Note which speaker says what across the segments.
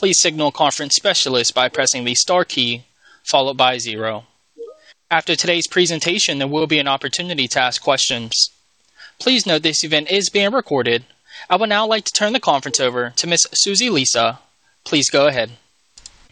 Speaker 1: After today's presentation, there will be an opportunity to ask questions. Please note this event is being recorded. I would now like to turn the conference over to Miss Susie Lisa. Please go ahead.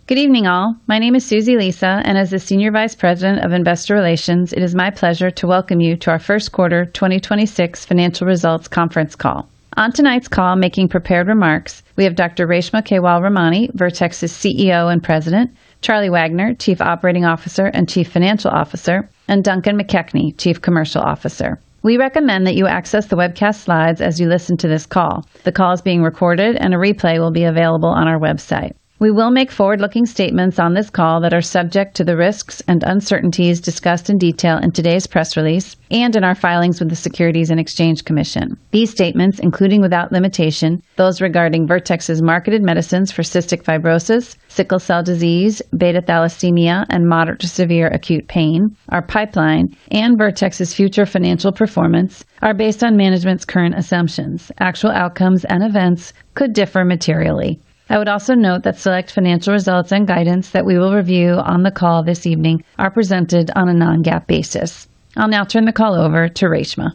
Speaker 2: Good evening all. My name is Susie Lisa, and as the Senior Vice President of Investor Relations, it is my pleasure to welcome you to our first quarter 2026 financial results conference call. On tonight's call, making prepared remarks, we have Dr. Reshma Kewalramani, Vertex's CEO and President, Charlie Wagner, Chief Operating Officer and Chief Financial Officer, and Duncan McKechnie, Chief Commercial Officer. We recommend that you access the webcast slides as you listen to this call. The call is being recorded, and a replay will be available on our website. We will make forward-looking statements on this call that are subject to the risks and uncertainties discussed in detail in today's press release and in our filings with the Securities and Exchange Commission. These statements, including without limitation, those regarding Vertex's marketed medicines for cystic fibrosis, sickle cell disease, beta thalassemia, and moderate-to-severe acute pain, our pipeline and Vertex's future financial performance are based on management's current assumptions. Actual outcomes and events could differ materially. I would also note that select financial results and guidance that we will review on the call this evening are presented on a non-GAAP basis. I'll now turn the call over to Reshma.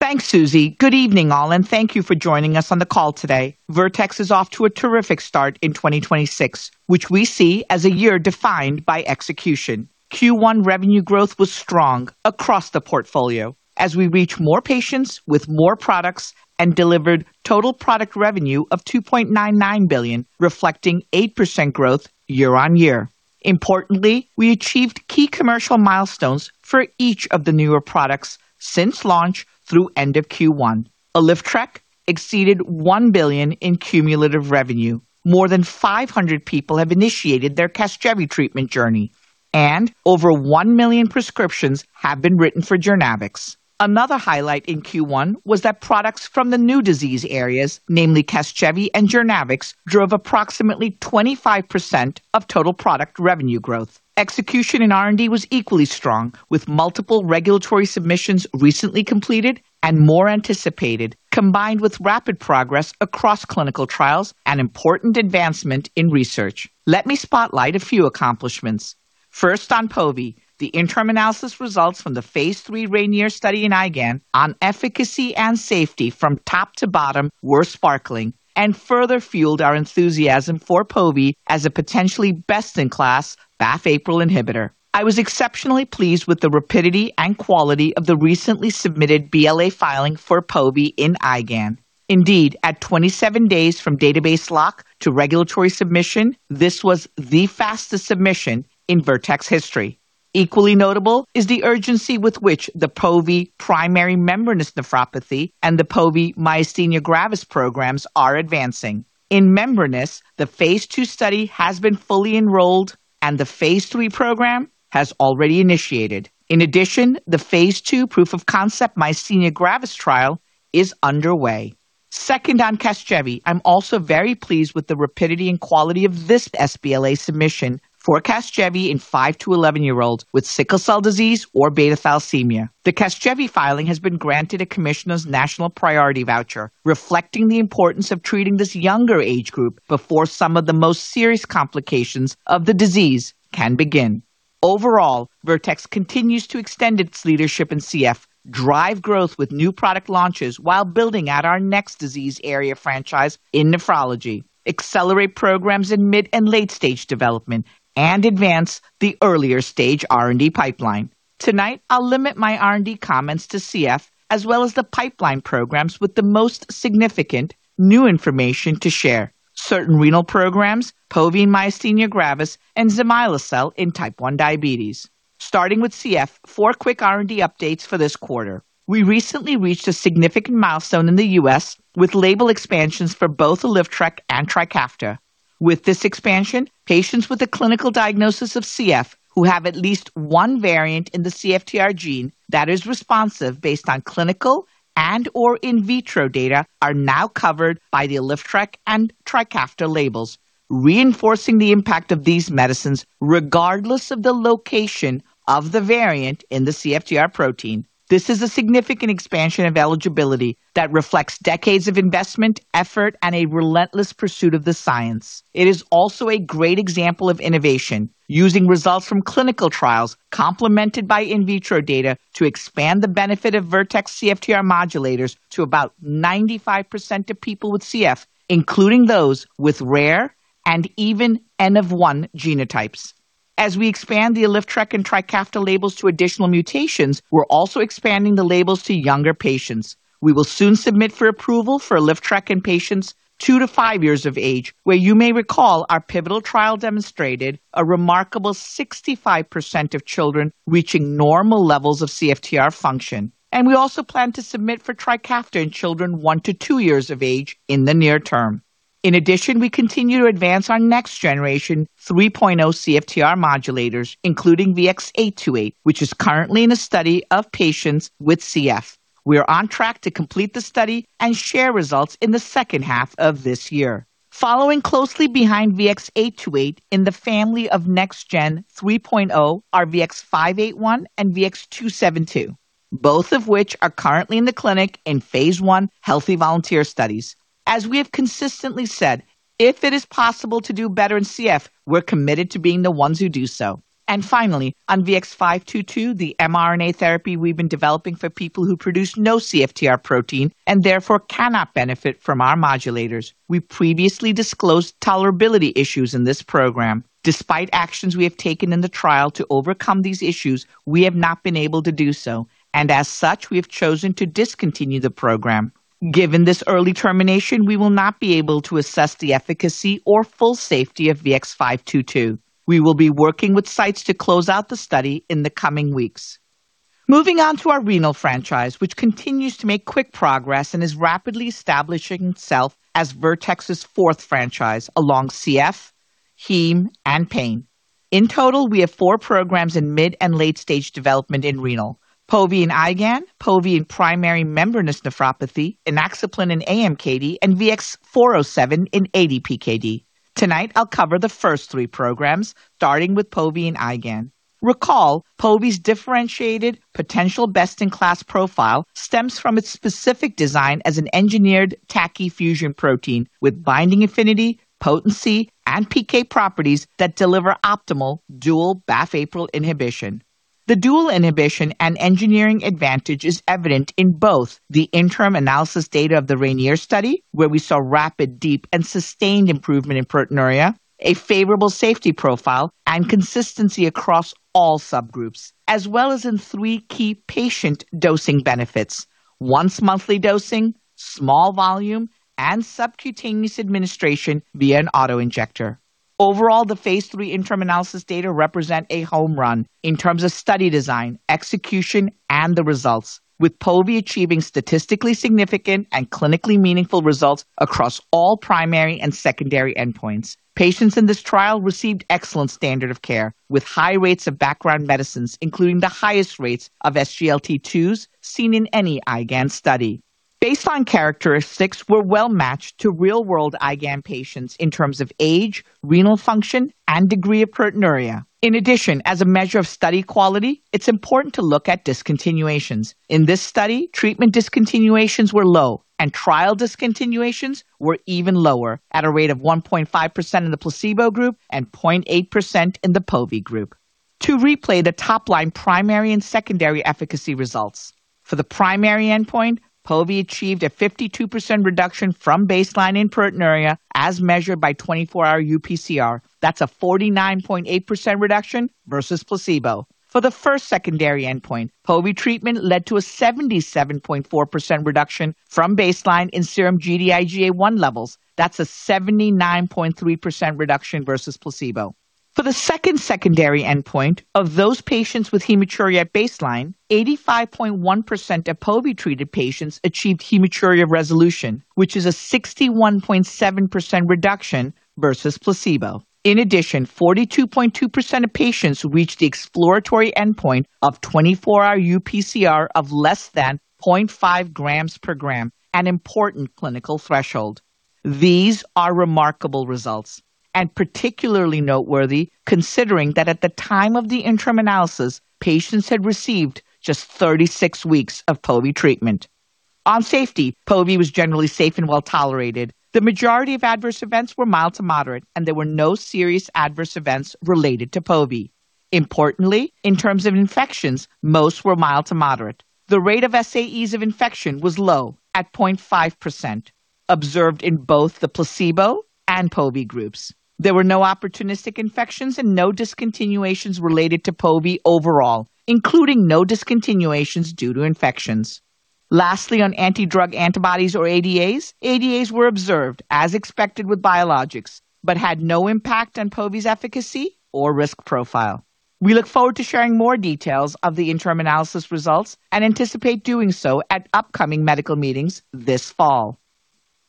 Speaker 3: Thanks, Susie. Good evening all, thank you for joining us on the call today. Vertex is off to a terrific start in 2026, which we see as a year defined by execution. Q1 revenue growth was strong across the portfolio as we reach more patients with more products and delivered total product revenue of $2.99 billion, reflecting 8% growth year-on-year. Importantly, we achieved key commercial milestones for each of the newer products since launch through end of Q1. ALYFTREK exceeded $1 billion in cumulative revenue. More than 500 people have initiated their CASGEVY treatment journey, and over 1,000,000 prescriptions have been written for JOURNAVX. Another highlight in Q1 was that products from the new disease areas, namely CASGEVY and JOURNAVX, drove approximately 25% of total product revenue growth. Execution in R&D was equally strong, with multiple regulatory submissions recently completed and more anticipated, combined with rapid progress across clinical trials and important advancement in research. Let me spotlight a few accomplishments. First, on pove, the interim analysis results from the phase III RAINIER study in IgAN on efficacy and safety from top to bottom were sparkling and further fueled our enthusiasm for pove as a potentially best-in-class BAFF/APRIL inhibitor. I was exceptionally pleased with the rapidity and quality of the recently submitted BLA filing for pove in IgAN. Indeed, at 27 days from database lock to regulatory submission, this was the fastest submission in Vertex history. Equally notable is the urgency with which the pove primary membranous nephropathy and the pove myasthenia gravis programs are advancing. In membranous, the phase II study has been fully enrolled, and the phase III program has already initiated. In addition, the phase II proof of concept myasthenia gravis trial is underway. Second, on CASGEVY, I'm also very pleased with the rapidity and quality of this sBLA submission for CASGEVY in 5-11 year-olds with sickle cell disease or beta thalassemia. The CASGEVY filing has been granted a commissioner's national priority voucher, reflecting the importance of treating this younger age group before some of the most serious complications of the disease can begin. Overall, Vertex continues to extend its leadership in CF, drive growth with new product launches while building out our next disease area franchise in nephrology, accelerate programs in mid and late-stage development, and advance the earlier stage R&D pipeline. Tonight, I'll limit my R&D comments to CF as well as the pipeline programs with the most significant new information to share. Certain renal programs, pove myasthenia gravis, and zimislecel in type 1 diabetes. Starting with CF, four quick R&D updates for this quarter. We recently reached a significant milestone in the U.S. with label expansions for both ALYFTREK and TRIKAFTA. With this expansion, patients with a clinical diagnosis of CF who have at least one variant in the CFTR gene that is responsive based on clinical and or in vitro data are now covered by the ALYFTREK and TRIKAFTA labels, reinforcing the impact of these medicines regardless of the location of the variant in the CFTR protein. This is a significant expansion of eligibility that reflects decades of investment, effort, and a relentless pursuit of the science. It is also a great example of innovation using results from clinical trials complemented by in vitro data to expand the benefit of Vertex CFTR modulators to about 95% of people with CF, including those with rare and even N of one genotypes. As we expand the ALYFTREK and TRIKAFTA labels to additional mutations, we're also expanding the labels to younger patients. We will soon submit for approval for ALYFTREK in patients 2-5 years of age, where you may recall our pivotal trial demonstrated a remarkable 65% of children reaching normal levels of CFTR function. We also plan to submit for TRIKAFTA in children 1-2 years of age in the near term. In addition, we continue to advance our next generation 3.0 CFTR modulators, including VX-828, which is currently in a study of patients with CF. We are on track to complete the study and share results in the second half of this year. Following closely behind VX-828 in the family of next-gen 3.0 are VX-581 and VX-272, both of which are currently in the clinic in phase I healthy volunteer studies. As we have consistently said, if it is possible to do better in CF, we're committed to being the ones who do so. Finally, on VX-522, the mRNA therapy we've been developing for people who produce no CFTR protein and therefore cannot benefit from our modulators. We previously disclosed tolerability issues in this program. Despite actions we have taken in the trial to overcome these issues, we have not been able to do so. As such, we have chosen to discontinue the program. Given this early termination, we will not be able to assess the efficacy or full safety of VX-522. We will be working with sites to close out the study in the coming weeks. Moving on to our renal franchise, which continues to make quick progress and is rapidly establishing itself as Vertex's fourth franchise along CF, heme, and pain. In total, we have four programs in mid and late-stage development in renal: pove in IgAN, pove in primary membranous nephropathy, inaxaplin in AMKD, and VX-407 in ADPKD. Tonight I'll cover the first three programs, starting with pove in IgAN. Recall pove's differentiated potential best-in-class profile stems from its specific design as an engineered TACI fusion protein with binding affinity, potency, and PK properties that deliver optimal dual BAFF/APRIL inhibition. The dual inhibition and engineering advantage is evident in both the interim analysis data of the RAINIER study, where we saw rapid, deep, and sustained improvement in proteinuria, a favorable safety profile, and consistency across all subgroups, as well as in three key patient dosing benefits: once-monthly dosing, small volume, and subcutaneous administration via an auto-injector. Overall, the phase III interim analysis data represent a home run in terms of study design, execution, and the results, with pove achieving statistically significant and clinically meaningful results across all primary and secondary endpoints. Patients in this trial received excellent standard of care with high rates of background medicines, including the highest rates of SGLT2is seen in any IgAN study. Baseline characteristics were well-matched to real-world IgAN patients in terms of age, renal function, and degree of proteinuria. In addition, as a measure of study quality, it's important to look at discontinuations. In this study, treatment discontinuations were low, and trial discontinuations were even lower at a rate of 1.5% in the placebo group and 0.8% in the pove group. To replay the top-line primary and secondary efficacy results. For the primary endpoint, pove achieved a 52% reduction from baseline in proteinuria as measured by 24-hour UPCR. That's a 49.8% reduction versus placebo. For the first secondary endpoint, pove treatment led to a 77.4% reduction from baseline in serum Gd-IgA1 levels. That's a 79.3% reduction versus placebo. For the second secondary endpoint, of those patients with hematuria at baseline, 85.1% of pove-treated patients achieved hematuria resolution, which is a 61.7% reduction versus placebo. In addition, 42.2% of patients reached the exploratory endpoint of 24-hour UPCR of less than 0.5 g/g, an important clinical threshold. These are remarkable results, and particularly noteworthy considering that at the time of the interim analysis, patients had received just 36 weeks of pove treatment. On safety, pove was generally safe and well-tolerated. The majority of adverse events were mild to moderate, and there were no serious adverse events related to pove. Importantly, in terms of infections, most were mild to moderate. The rate of SAEs of infection was low at 0.5%, observed in both the placebo and pove groups. There were no opportunistic infections and no discontinuations related to pove overall, including no discontinuations due to infections. Lastly, on anti-drug antibodies or ADAs. ADAs were observed as expected with biologics had no impact on pove's efficacy or risk profile. We look forward to sharing more details of the interim analysis results and anticipate doing so at upcoming medical meetings this fall.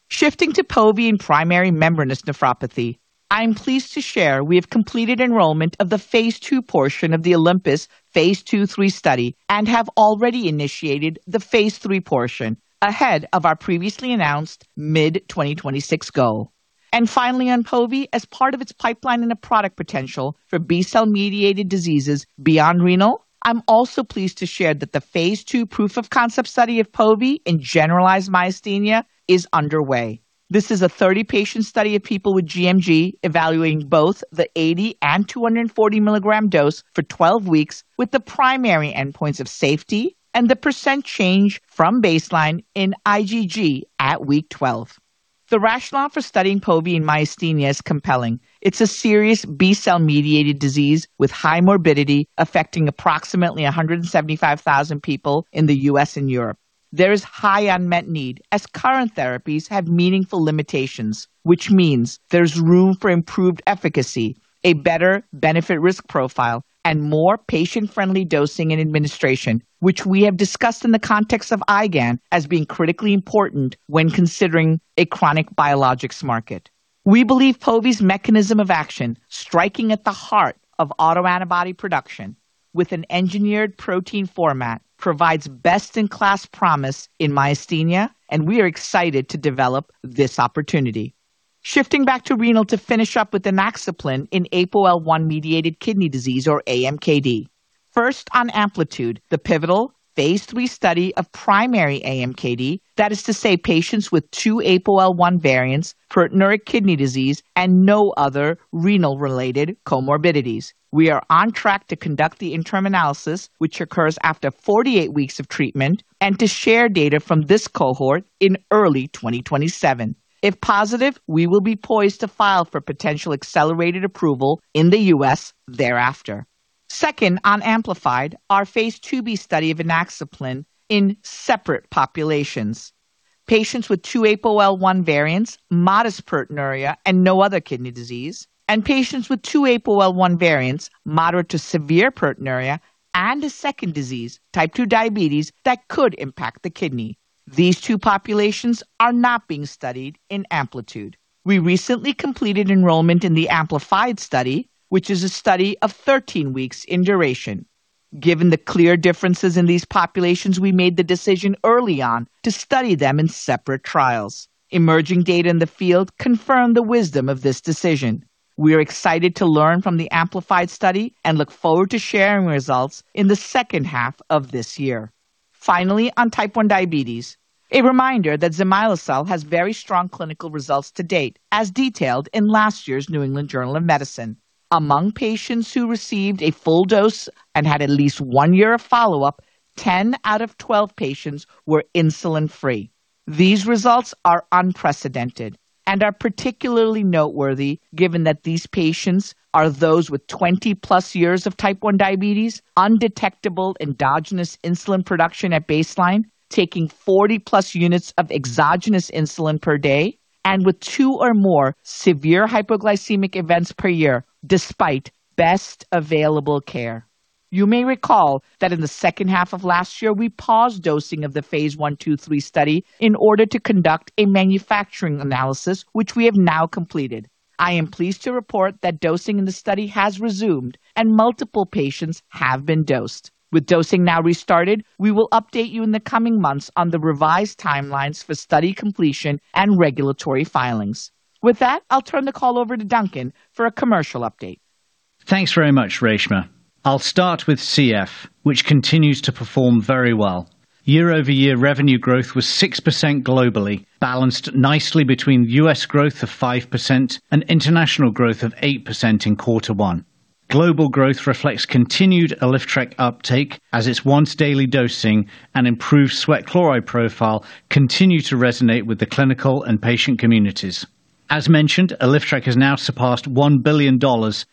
Speaker 3: Shifting to pove in primary membranous nephropathy. I am pleased to share we have completed enrollment of the phase II portion of the OLYMPUS phase II/III study and have already initiated the phase III portion ahead of our previously announced mid-2026 goal. Finally, on pove, as part of its pipeline and a product potential for B cell-mediated diseases beyond renal. I'm also pleased to share that the phase II proof of concept study of pove in generalized myasthenia is underway. This is a 30-patient study of people with gMG evaluating both the 80 mg and 240 mg dose for 12 weeks, with the primary endpoints of safety and the percent change from baseline in IgG at week 12. The rationale for studying pove in myasthenia is compelling. It's a serious B cell-mediated disease with high morbidity affecting approximately 175,000 people in the U.S. and Europe. There is high unmet need as current therapies have meaningful limitations, which means there's room for improved efficacy, a better benefit/risk profile, and more patient-friendly dosing and administration, which we have discussed in the context of IgAN as being critically important when considering a chronic biologics market. We believe pove's mechanism of action, striking at the heart of autoantibody production with an engineered protein format, provides best-in-class promise in myasthenia, and we are excited to develop this opportunity. Shifting back to renal to finish up with inaxaplin in APOL1-mediated kidney disease or AMKD. First, on AMPLITUDE, the pivotal phase III study of primary AMKD, that is to say, patients with two APOL1 variants, proteinuria kidney disease, and no other renal-related comorbidities. We are on track to conduct the interim analysis, which occurs after 48 weeks of treatment, and to share data from this cohort in early 2027. If positive, we will be poised to file for potential accelerated approval in the U.S. thereafter. Second, on AMPLIFIED, our phase II-b study of inaxaplin in separate populations. Patients with two APOL1 variants, modest proteinuria, and no other kidney disease, and patients with two APOL1 variants, moderate to severe proteinuria, and a second disease, type 2 diabetes, that could impact the kidney. These two populations are not being studied in AMPLITUDE. We recently completed enrollment in the AMPLIFIED study, which is a study of 13 weeks in duration. Given the clear differences in these populations, we made the decision early on to study them in separate trials. Emerging data in the field confirm the wisdom of this decision. We are excited to learn from the AMPLIFIED study and look forward to sharing results in the second half of this year. Finally, on type 1 diabetes, a reminder that zimislecel has very strong clinical results to date, as detailed in last year's The New England Journal of Medicine. Among patients who received a full dose and had at least one year of follow-up, 10 out of 12 patients were insulin-free. These results are unprecedented and are particularly noteworthy given that these patients are those with 20+ years of type 1 diabetes, undetectable endogenous insulin production at baseline, taking 40+ units of exogenous insulin per day, and with two or more severe hypoglycemic events per year despite best available care. You may recall that in the second half of last year, we paused dosing of the phase I, II, III study in order to conduct a manufacturing analysis, which we have now completed. I am pleased to report that dosing in the study has resumed and multiple patients have been dosed. With dosing now restarted, we will update you in the coming months on the revised timelines for study completion and regulatory filings. With that, I'll turn the call over to Duncan for a commercial update.
Speaker 4: Thanks very much, Reshma. I'll start with CF, which continues to perform very well. Year-over-year revenue growth was 6% globally, balanced nicely between U.S. growth of 5% and international growth of 8% in quarter one. Global growth reflects continued ALYFTREK uptake as its once-daily dosing and improved sweat chloride profile continue to resonate with the clinical and patient communities. As mentioned, ALYFTREK has now surpassed $1 billion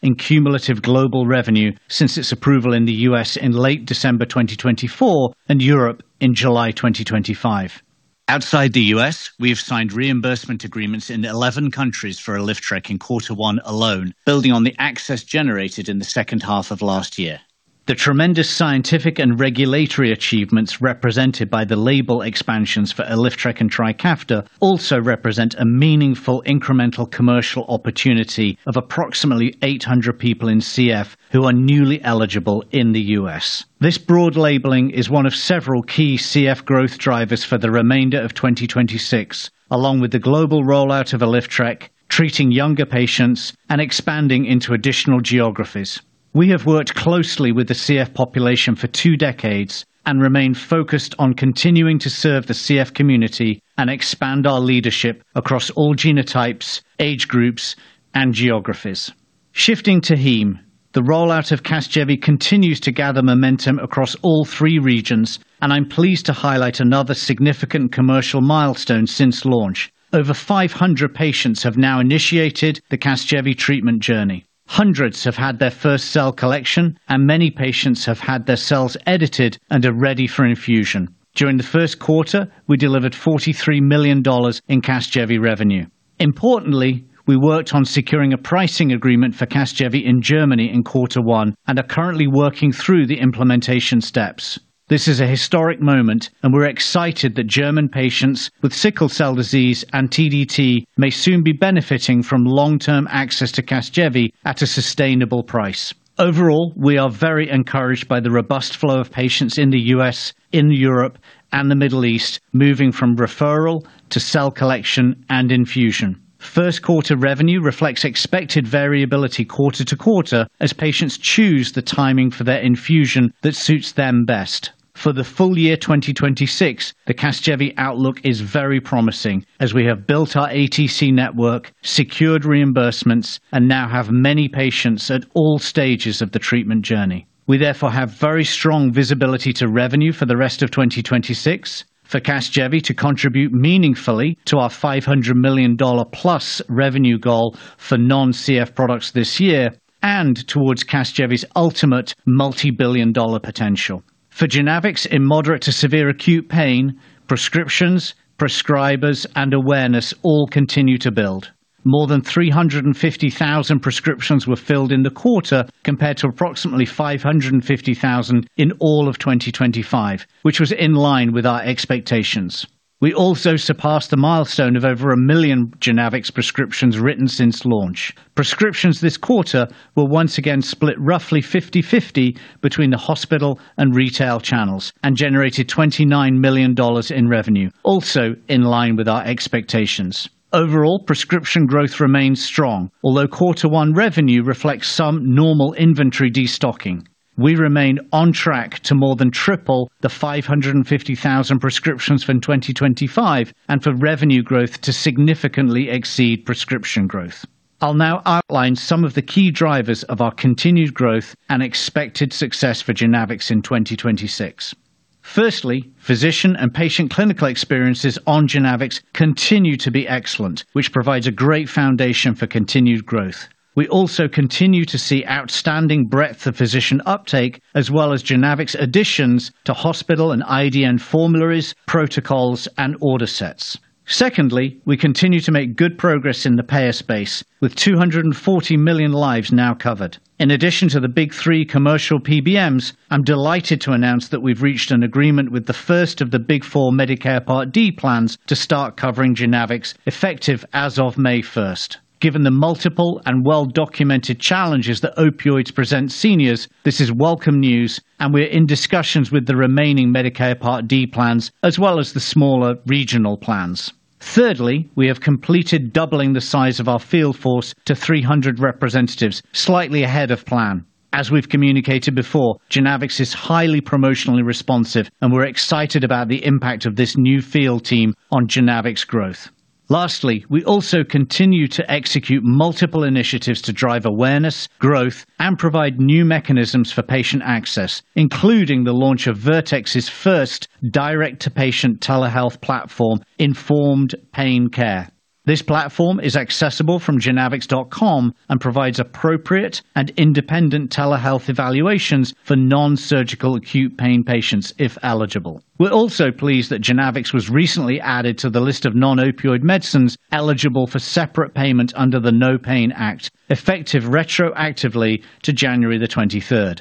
Speaker 4: in cumulative global revenue since its approval in the U.S. in late December 2024 and Europe in July 2025. Outside the U.S., we have signed reimbursement agreements in 11 countries for ALYFTREK in quarter one alone, building on the access generated in the second half of last year. The tremendous scientific and regulatory achievements represented by the label expansions for ALYFTREK and TRIKAFTA also represent a meaningful incremental commercial opportunity of approximately 800 people in CF who are newly eligible in the U.S. This broad labeling is one of several key CF growth drivers for the remainder of 2026, along with the global rollout of ALYFTREK, treating younger patients, and expanding into additional geographies. We have worked closely with the CF population for two decades and remain focused on continuing to serve the CF community and expand our leadership across all genotypes, age groups, and geographies. Shifting to heme, the rollout of CASGEVY continues to gather momentum across all three regions, and I'm pleased to highlight another significant commercial milestone since launch. Over 500 patients have now initiated the CASGEVY treatment journey. Hundreds have had their first cell collection, and many patients have had their cells edited and are ready for infusion. During the first quarter, we delivered $43 million in CASGEVY revenue. Importantly, we worked on securing a pricing agreement for CASGEVY in Germany in quarter one and are currently working through the implementation steps. This is a historic moment, and we're excited that German patients with sickle cell disease and TDT may soon be benefiting from long-term access to CASGEVY at a sustainable price. Overall, we are very encouraged by the robust flow of patients in the U.S., in Europe, and the Middle East moving from referral to cell collection and infusion. First quarter revenue reflects expected variability quarter-to-quarter as patients choose the timing for their infusion that suits them best. For the full year 2026, the CASGEVY outlook is very promising as we have built our ATC network, secured reimbursements, and now have many patients at all stages of the treatment journey. We therefore have very strong visibility to revenue for the rest of 2026 for CASGEVY to contribute meaningfully to our $500,000,000+ revenue goal for non-CF products this year and towards CASGEVY's ultimate multi-billion dollar potential. For JOURNAVX in moderate-to-severe acute pain, prescriptions, prescribers, and awareness all continue to build. More than 350,000 prescriptions were filled in the quarter compared to approximately 550,000 in all of 2025, which was in line with our expectations. We also surpassed the milestone of over 1,000,000 JOURNAVX prescriptions written since launch. Prescriptions this quarter were once again split roughly 50/50 between the hospital and retail channels and generated $29 million in revenue, also in line with our expectations. Overall, prescription growth remains strong, although quarter one revenue reflects some normal inventory destocking. We remain on track to more than triple the 550,000 prescriptions from 2025 and for revenue growth to significantly exceed prescription growth. I'll now outline some of the key drivers of our continued growth and expected success for JOURNAVX in 2026. Firstly, physician and patient clinical experiences on JOURNAVX continue to be excellent, which provides a great foundation for continued growth. We also continue to see outstanding breadth of physician uptake as well as JOURNAVX additions to hospital and IDN formularies, protocols, and order sets. We continue to make good progress in the payer space with 240 million lives now covered. In addition to the big three commercial PBMs, I'm delighted to announce that we've reached an agreement with the first of the big four Medicare Part D plans to start covering JOURNAVX effective as of May 1st. Given the multiple and well-documented challenges that opioids present seniors, this is welcome news. We're in discussions with the remaining Medicare Part D plans as well as the smaller regional plans. We have completed doubling the size of our field force to 300 representatives, slightly ahead of plan. As we've communicated before, JOURNAVX is highly promotionally responsive. We're excited about the impact of this new field team on JOURNAVX growth. Lastly, we also continue to execute multiple initiatives to drive awareness, growth, and provide new mechanisms for patient access, including the launch of Vertex Pharmaceuticals's first direct-to-patient telehealth platform, Informed Pain Care. This platform is accessible from journavx.com and provides appropriate and independent telehealth evaluations for non-surgical acute pain patients if eligible. We are also pleased that JOURNAVX was recently added to the list of non-opioid medicines eligible for separate payment under the NOPAIN Act, effective retroactively to January 23rd.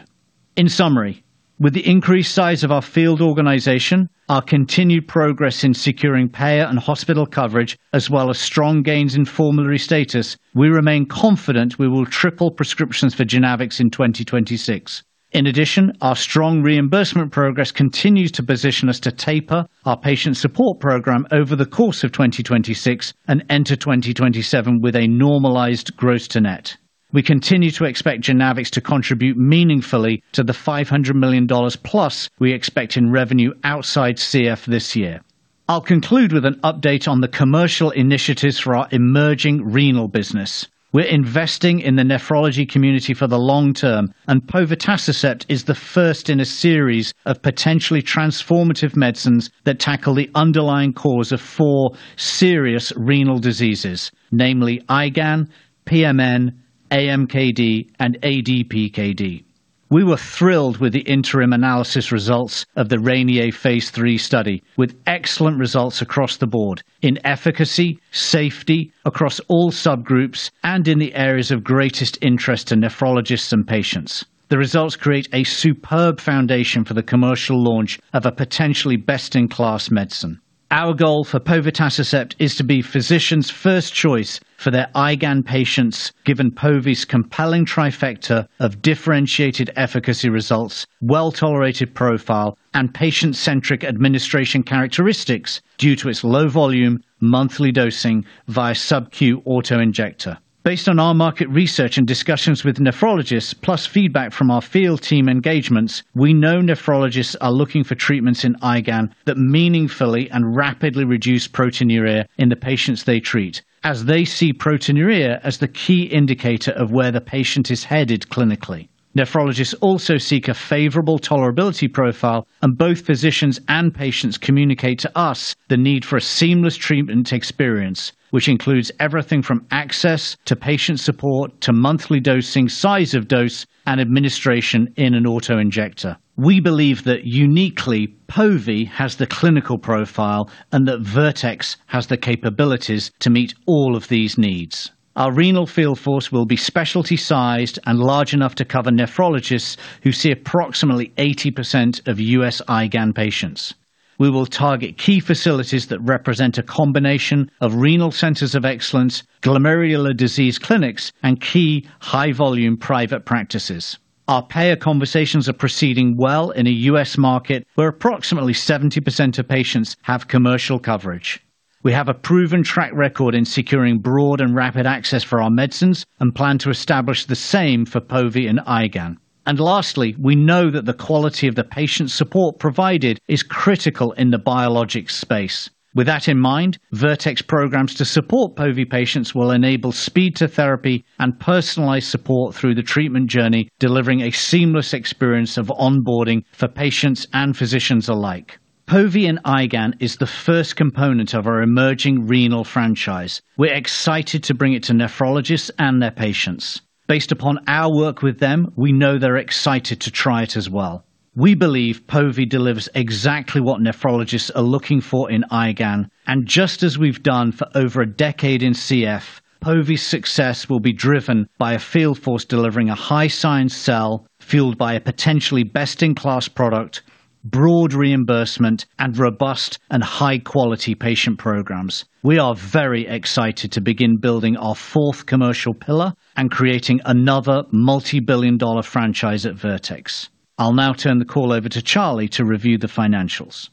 Speaker 4: In summary, with the increased size of our field organization, our continued progress in securing payer and hospital coverage as well as strong gains in formulary status, we remain confident we will triple prescriptions for JOURNAVX in 2026. In addition, our strong reimbursement progress continues to position us to taper our patient support program over the course of 2026 and enter 2027 with a normalized gross to net. We continue to expect JOURNAVX to contribute meaningfully to the $500,000,000+ we expect in revenue outside CF this year. I'll conclude with an update on the commercial initiatives for our emerging renal business. We're investing in the nephrology community for the long term, and povetacicept is the first in a series of potentially transformative medicines that tackle the underlying cause of four serious renal diseases, namely IgAN, pMN, AMKD, and ADPKD. We were thrilled with the interim analysis results of the RAINIER phase III study with excellent results across the board in efficacy, safety across all subgroups, and in the areas of greatest interest to nephrologists and patients. The results create a superb foundation for the commercial launch of a potentially best-in-class medicine. Our goal for povetacicept is to be physicians' first choice for their IgAN patients given pove's compelling trifecta of differentiated efficacy results, well-tolerated profile, and patient-centric administration characteristics due to its low volume monthly dosing via subQ auto-injector. Based on our market research and discussions with nephrologists plus feedback from our field team engagements, we know nephrologists are looking for treatments in IgAN that meaningfully and rapidly reduce proteinuria in the patients they treat, as they see proteinuria as the key indicator of where the patient is headed clinically. Nephrologists also seek a favorable tolerability profile, and both physicians and patients communicate to us the need for a seamless treatment experience, which includes everything from access to patient support to monthly dosing, size of dose, and administration in an auto-injector. We believe that uniquely, pove has the clinical profile and that Vertex has the capabilities to meet all of these needs. Our renal field force will be specialty-sized and large enough to cover nephrologists who see approximately 80% of U.S. IgAN patients. We will target key facilities that represent a combination of renal centers of excellence, glomerular disease clinics, and key high-volume private practices. Our payer conversations are proceeding well in a U.S. market where approximately 70% of patients have commercial coverage. We have a proven track record in securing broad and rapid access for our medicines and plan to establish the same for pove and IgAN. Lastly, we know that the quality of the patient support provided is critical in the biologic space. With that in mind, Vertex programs to support pove patients will enable speed to therapy and personalized support through the treatment journey, delivering a seamless experience of onboarding for patients and physicians alike. Pove in IgAN is the first component of our emerging renal franchise. We're excited to bring it to nephrologists and their patients. Based upon our work with them, we know they're excited to try it as well. We believe pove delivers exactly what nephrologists are looking for in IgAN. Just as we've done for over a decade in CF, pove's success will be driven by a field force delivering a high science sell fueled by a potentially best-in-class product, broad reimbursement, and robust and high-quality patient programs. We are very excited to begin building our fourth commercial pillar and creating another multibillion-dollar franchise at Vertex. I'll now turn the call over to Charlie to review the financials.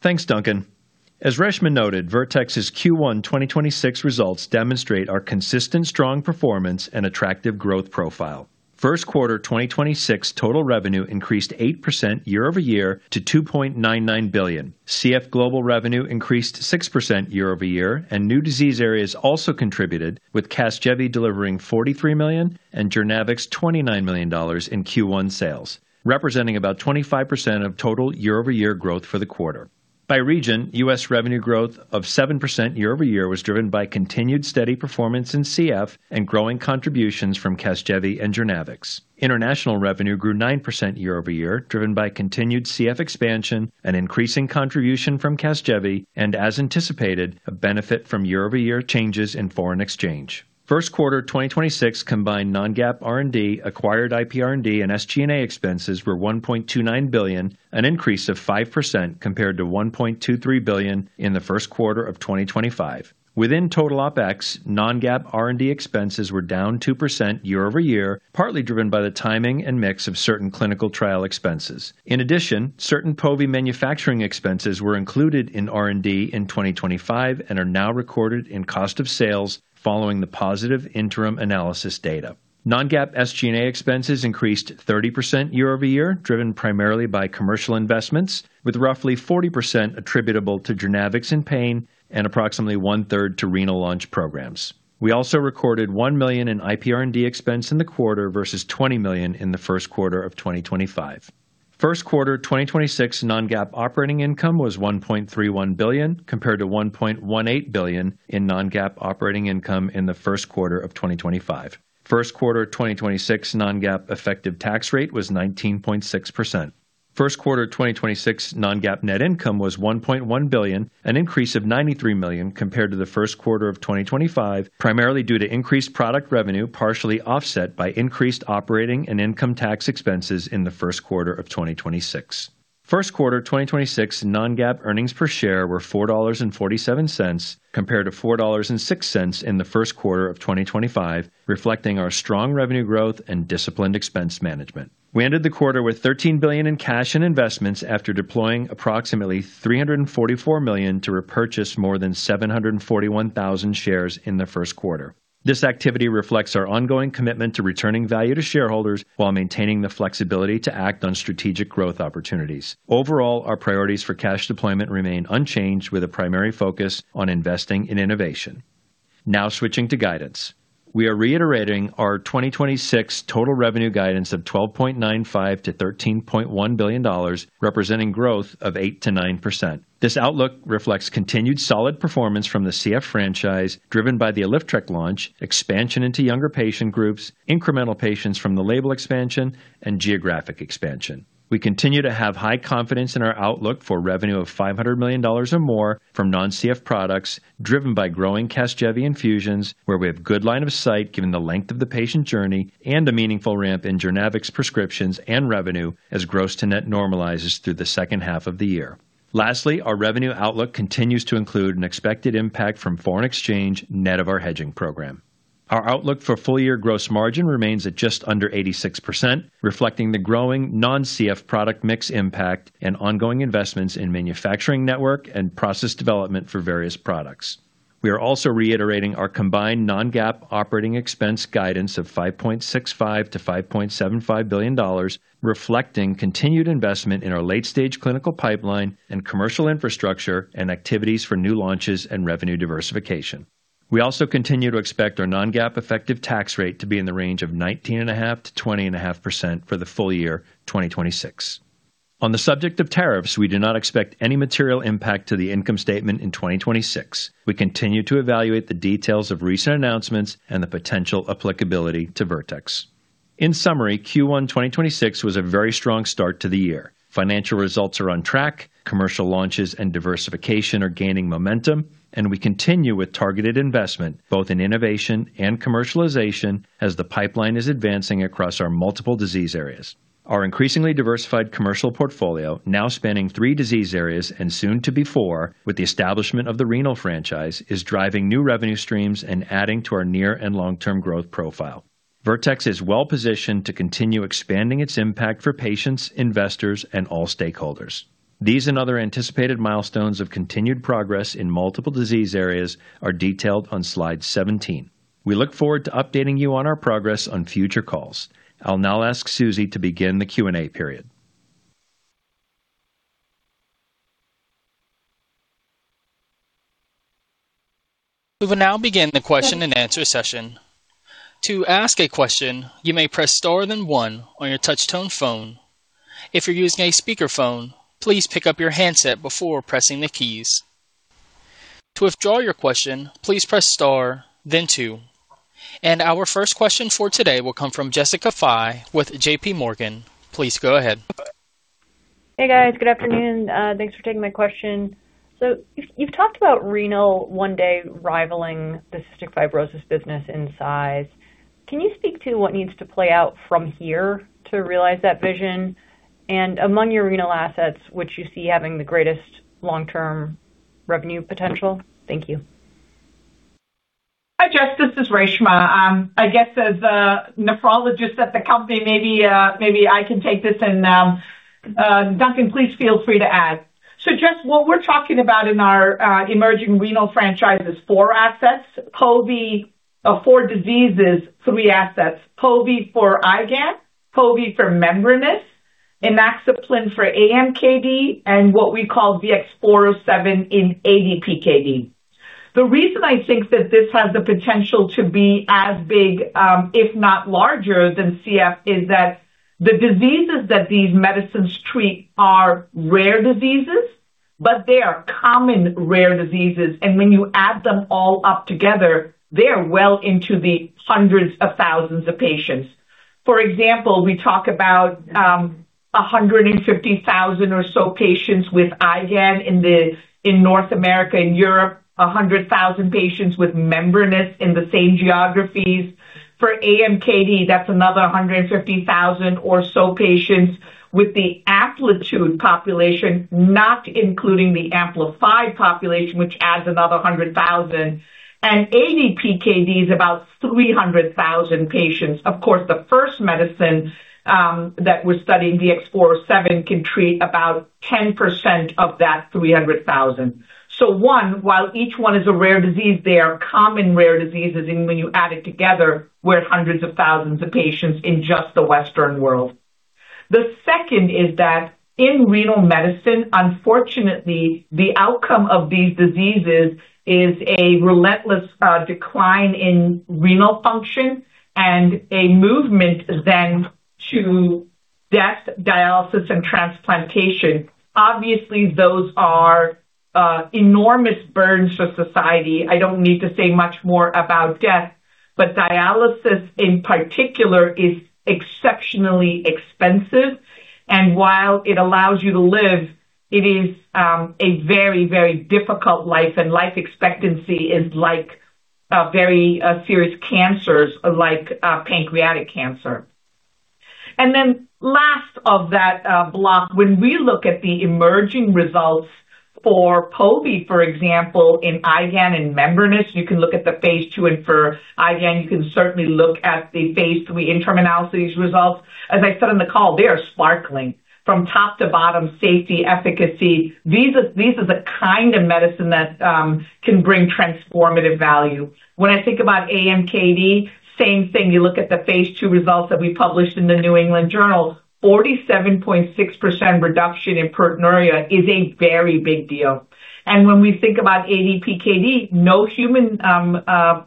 Speaker 5: Thanks, Duncan. As Reshma noted, Vertex's Q1 2026 results demonstrate our consistent strong performance and attractive growth profile. First quarter 2026 total revenue increased 8% year-over-year to $2.99 billion. CF global revenue increased 6% year-over-year, and new disease areas also contributed with CASGEVY delivering $43 million and JOURNAVX $29 million in Q1 sales, representing about 25% of total year-over-year growth for the quarter. By region, U.S. revenue growth of 7% year-over-year was driven by continued steady performance in CF and growing contributions from CASGEVY and JOURNAVX. International revenue grew 9% year-over-year, driven by continued CF expansion and increasing contribution from CASGEVY, and as anticipated, a benefit from year-over-year changes in foreign exchange. First quarter 2026 combined non-GAAP R&D acquired IP R&D and SG&A expenses were $1.29 billion, an increase of 5% compared to $1.23 billion in the first quarter of 2025. Within total OpEx, non-GAAP R&D expenses were down 2% year-over-year, partly driven by the timing and mix of certain clinical trial expenses. In addition, certain pove manufacturing expenses were included in R&D in 2025 and are now recorded in cost of sales following the positive interim analysis data. Non-GAAP SG&A expenses increased 30% year-over-year, driven primarily by commercial investments, with roughly 40% attributable to JOURNAVX in pain and approximately 1/3 to renal launch programs. We also recorded $1 million in IP R&D expense in the quarter versus $20 million in the first quarter of 2025. First quarter 2026 non-GAAP operating income was $1.31 billion compared to $1.18 billion in non-GAAP operating income in the first quarter of 2025. First quarter 2026 non-GAAP effective tax rate was 19.6%. First quarter 2026 non-GAAP net income was $1.1 billion, an increase of $93 million compared to the first quarter of 2025, primarily due to increased product revenue, partially offset by increased operating and income tax expenses in the first quarter of 2026. First quarter 2026 non-GAAP earnings per share were $4.47 compared to $4.06 in the first quarter of 2025, reflecting our strong revenue growth and disciplined expense management. We ended the quarter with $13 billion in cash and investments after deploying approximately $344 million to repurchase more than 741,000 shares in the first quarter. This activity reflects our ongoing commitment to returning value to shareholders while maintaining the flexibility to act on strategic growth opportunities. Overall, our priorities for cash deployment remain unchanged with a primary focus on investing in innovation. Switching to guidance. We are reiterating our 2026 total revenue guidance of $12.95 billion-$13.1 billion, representing growth of 8%-9%. This outlook reflects continued solid performance from the CF franchise driven by the ALYFTREK launch, expansion into younger patient groups, incremental patients from the label expansion, and geographic expansion. We continue to have high confidence in our outlook for revenue of $500 million or more from non-CF products driven by growing CASGEVY infusions, where we have good line of sight given the length of the patient journey and a meaningful ramp in JOURNAVX prescriptions and revenue as gross to net normalizes through the second half of the year. Our revenue outlook continues to include an expected impact from foreign exchange net of our hedging program. Our outlook for full year gross margin remains at just under 86%, reflecting the growing non-CF product mix impact and ongoing investments in manufacturing network and process development for various products. We are also reiterating our combined non-GAAP operating expense guidance of $5.65 billion-$5.75 billion, reflecting continued investment in our late-stage clinical pipeline and commercial infrastructure and activities for new launches and revenue diversification. We also continue to expect our non-GAAP effective tax rate to be in the range of 19.5%-20.5% for the full year 2026. On the subject of tariffs, we do not expect any material impact to the income statement in 2026. We continue to evaluate the details of recent announcements and the potential applicability to Vertex. In summary, Q1 2026 was a very strong start to the year. Financial results are on track. Commercial launches and diversification are gaining momentum. We continue with targeted investment both in innovation and commercialization as the pipeline is advancing across our multiple disease areas. Our increasingly diversified commercial portfolio, now spanning three disease areas and soon to be four with the establishment of the renal franchise, is driving new revenue streams and adding to our near and long-term growth profile. Vertex is well-positioned to continue expanding its impact for patients, investors, and all stakeholders. These and other anticipated milestones of continued progress in multiple disease areas are detailed on slide 17. We look forward to updating you on our progress on future calls. I'll now ask Susie to begin the Q&A period.
Speaker 1: We will now begin the question-and-answer session. To ask a question you may press star then one on your touchtone phone. If you're using a speaker phone, please pick up your handset before pressing the keys. To withdraw your question, please press star then two. Our first question for today will come from Jessica Fye with JPMorgan. Please go ahead.
Speaker 6: Hey, guys. Good afternoon. Thanks for taking my question. You've talked about renal one day rivaling the cystic fibrosis business in size. Can you speak to what needs to play out from here to realize that vision? Among your renal assets, which you see having the greatest long-term revenue potential? Thank you.
Speaker 3: Hi, Jess. This is Reshma. I guess as a nephrologist at the company, maybe I can take this and Duncan, please feel free to add. Jess, what we're talking about in our emerging renal franchise is four diseases, three assets. Pove for IgAN, pove for membranous, inaxaplin for AMKD, and what we call VX-407 in ADPKD. The reason I think that this has the potential to be as big, if not larger than CF is that the diseases that these medicines treat are rare diseases, but they are common rare diseases. When you add them all up together, they are well into the hundreds of thousands of patients. For example, we talk about 150,000 or so patients with IgAN in North America and Europe, 100,000 patients with membranous in the same geographies. For AMKD, that's another 150,000 or so patients with the AMPLITUDE population, not including the AMPLIFIED population, which adds another 100,000. ADPKD is about 300,000 patients. Of course, the first medicine that we're studying, VX-407, can treat about 10% of that 300,000. One, while each one is a rare disease, they are common rare diseases, and when you add it together, we're at hundreds of thousands of patients in just the Western world. The second is that in renal medicine, unfortunately, the outcome of these diseases is a relentless decline in renal function and a movement then to death, dialysis, and transplantation. Obviously, those are enormous burdens for society. I don't need to say much more about death, but dialysis, in particular, is exceptionally expensive. While it allows you to live, it is a very, very difficult life, and life expectancy is like a very serious cancers like pancreatic cancer. Last of that block, when we look at the emerging results for pove, for example, in IgAN and membranous, you can look at the phase II, and for IgAN, you can certainly look at the phase III interim analysis results. As I said on the call, they are sparkling from top to bottom, safety, efficacy. These are the kind of medicine that can bring transformative value. When I think about AMKD, same thing. You look at the phase II results that we published in the New England Journal, 47.6% reduction in proteinuria is a very big deal. When we think about ADPKD, no human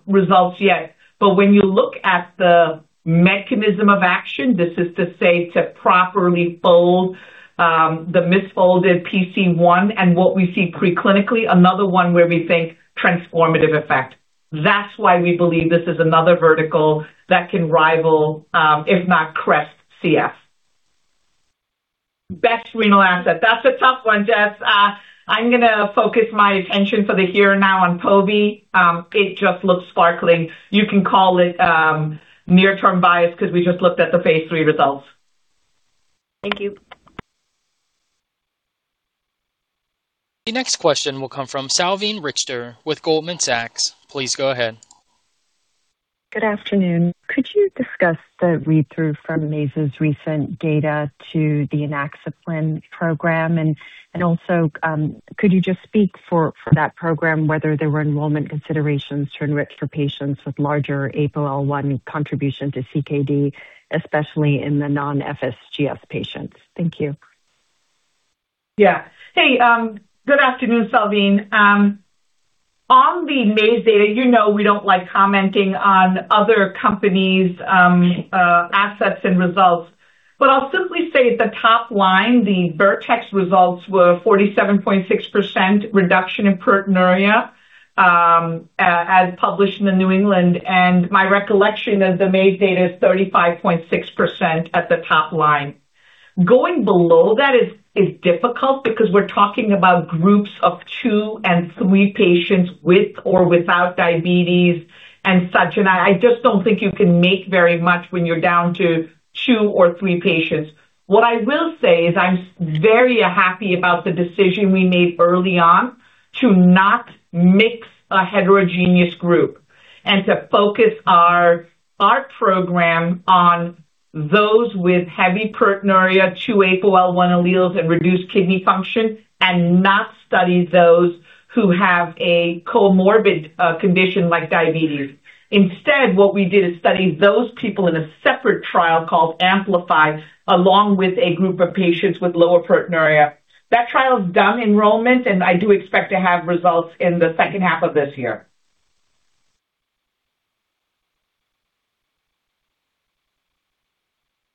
Speaker 3: results yet. When you look at the mechanism of action, this is to say to properly fold the misfolded PC1 and what we see preclinically, another one where we think transformative effect. That's why we believe this is another vertical that can rival, if not crest CF. Best renal asset. That's a tough one, Jess. I'm gonna focus my attention for the here now on pove. It just looks sparkling. You can call it near term bias because we just looked at the phase III results.
Speaker 6: Thank you.
Speaker 1: The next question will come from Salveen Richter with Goldman Sachs. Please go ahead.
Speaker 7: Good afternoon. Could you discuss the read-through from Maze's recent data to the inaxaplin program? Also, could you just speak for that program whether there were enrollment considerations to enrich for patients with larger APOL1 contribution to CKD, especially in the non-FSGS patients? Thank you.
Speaker 3: Yeah. Hey, good afternoon, Salveen. On the Maze data, you know we don't like commenting on other companies' assets and results, but I'll simply say at the top line, the Vertex results were 47.6% reduction in proteinuria, as published in The New England. My recollection of the Maze data is 35.6% at the top line. Going below that is difficult because we're talking about groups of two and three patients with or without diabetes and such, and I just don't think you can make very much when you're down to two or three patients. What I will say is I'm very happy about the decision we made early on to not mix a heterogeneous group and to focus our program on those with heavy proteinuria, two APOL1 alleles and reduced kidney function and not study those who have a comorbid condition like diabetes. Instead, what we did is study those people in a separate trial called AMPLIFIED, along with a group of patients with lower proteinuria. That trial is done enrollment, and I do expect to have results in the second half of this year.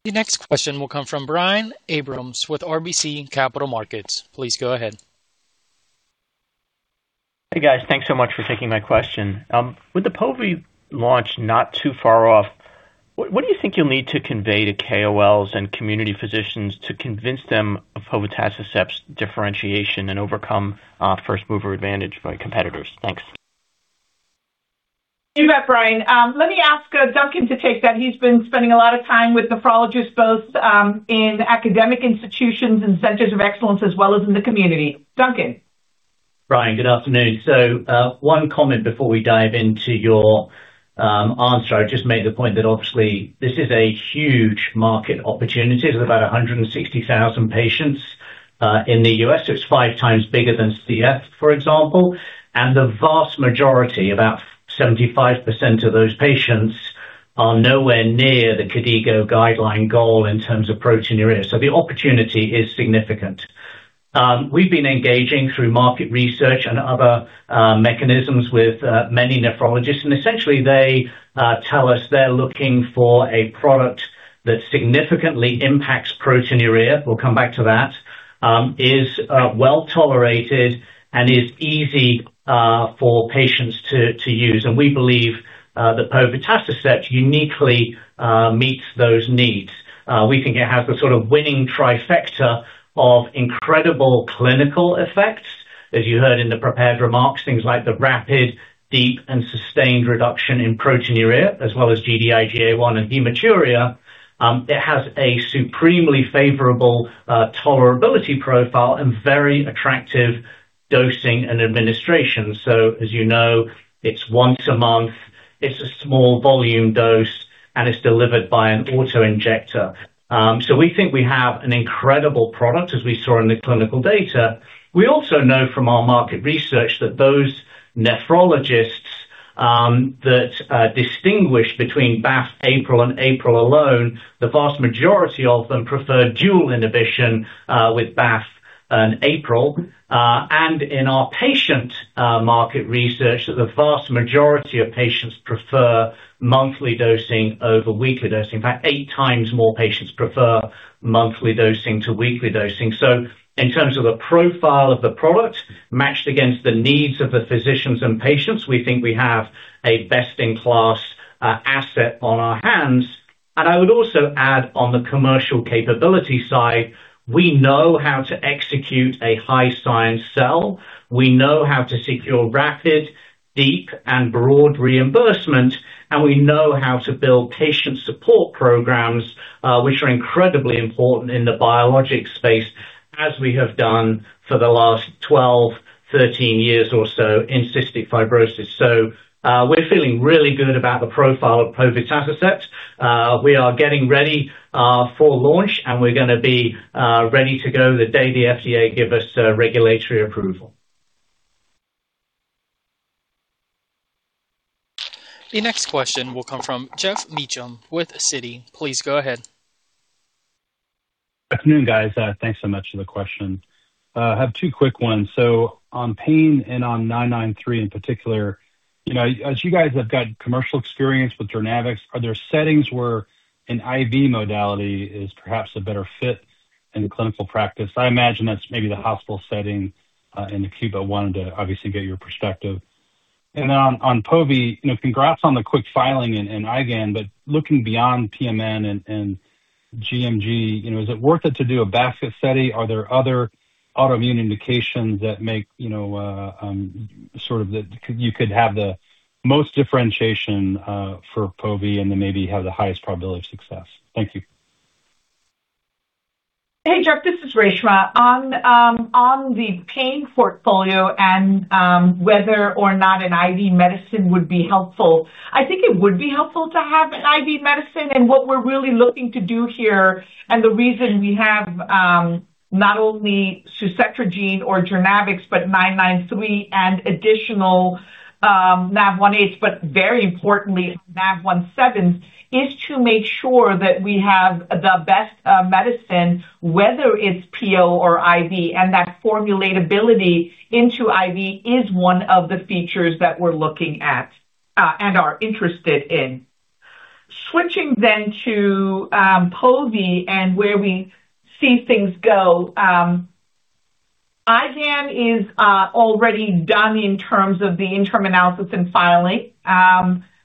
Speaker 1: The next question will come from Brian Abrahams with RBC Capital Markets. Please go ahead.
Speaker 8: Hey, guys. Thanks so much for taking my question. With the pove launch not too far off, what do you think you'll need to convey to KOLs and community physicians to convince them of povetacicept's differentiation and overcome first mover advantage by competitors? Thanks.
Speaker 3: You bet, Brian. Let me ask Duncan to take that. He's been spending a lot of time with nephrologists, both in academic institutions and centers of excellence as well as in the community. Duncan?
Speaker 4: Brian, good afternoon. One comment before we dive into your answer. I just made the point that obviously this is a huge market opportunity. There's about 160,000 patients in the U.S. It's 5x bigger than CF, for example. The vast majority, about 75% of those patients are nowhere near the KDIGO guideline goal in terms of proteinuria, the opportunity is significant. We've been engaging through market research and other mechanisms with many nephrologists, essentially they tell us they're looking for a product that significantly impacts proteinuria, we'll come back to that, is well-tolerated and is easy for patients to use. We believe that povetacicept uniquely meets those needs. We think it has the sort of winning trifecta of incredible clinical effects, as you heard in the prepared remarks, things like the rapid, deep, and sustained reduction in proteinuria, as well as Gd-IgA1 and hematuria. It has a supremely favorable tolerability profile and very attractive dosing and administration. As you know, it's once a month, it's a small volume dose, and it's delivered by an auto-injector. We think we have an incredible product, as we saw in the clinical data. We also know from our market research that those nephrologists that distinguish between BAFF/APRIL and APRIL alone, the vast majority of them prefer dual inhibition with BAFF and APRIL. In our patient market research, the vast majority of patients prefer monthly dosing over weekly dosing. In fact, 8x more patients prefer monthly dosing to weekly dosing. In terms of the profile of the product matched against the needs of the physicians and patients, we think we have a best-in-class asset on our hands. I would also add on the commercial capability side, we know how to execute a high science sell. We know how to secure rapid, deep, and broad reimbursement, and we know how to build patient support programs, which are incredibly important in the biologic space, as we have done for the last 12, 13 years or so in cystic fibrosis. We're feeling really good about the profile of povetacicept. We are getting ready for launch, and we're going to be ready to go the day the FDA give us regulatory approval.
Speaker 1: The next question will come from Geoff Meacham with Citi. Please go ahead.
Speaker 9: Good afternoon, guys. Thanks so much for the question. I have two quick ones. On pain and on VX-993 in particular, you know, as you guys have got commercial experience with JOURNAVX, are there settings where an IV modality is perhaps a better fit in the clinical practice? I imagine that's maybe the hospital setting in the queue, but wanted to obviously get your perspective. On pove, you know, congrats on the quick filing in IgAN, but looking beyond pMN and gMG, you know, is it worth it to do a basket study? Are there other autoimmune indications that make, you know, sort of the most differentiation for pove and then maybe have the highest probability of success? Thank you.
Speaker 3: Hey, Geoff, this is Reshma. On, on the pain portfolio and, whether or not an IV medicine would be helpful, I think it would be helpful to have an IV medicine. What we're really looking to do here, and the reason we have, not only suzetrigine or JOURNAVX, but VX-993 and additional NaV1.8s, but very importantly NaV1.7s, is to make sure that we have the best medicine, whether it's PO or IV, and that formulatability into IV is one of the features that we're looking at and are interested in. Switching then to, pove and where we see things go, IgAN is already done in terms of the interim analysis and filing.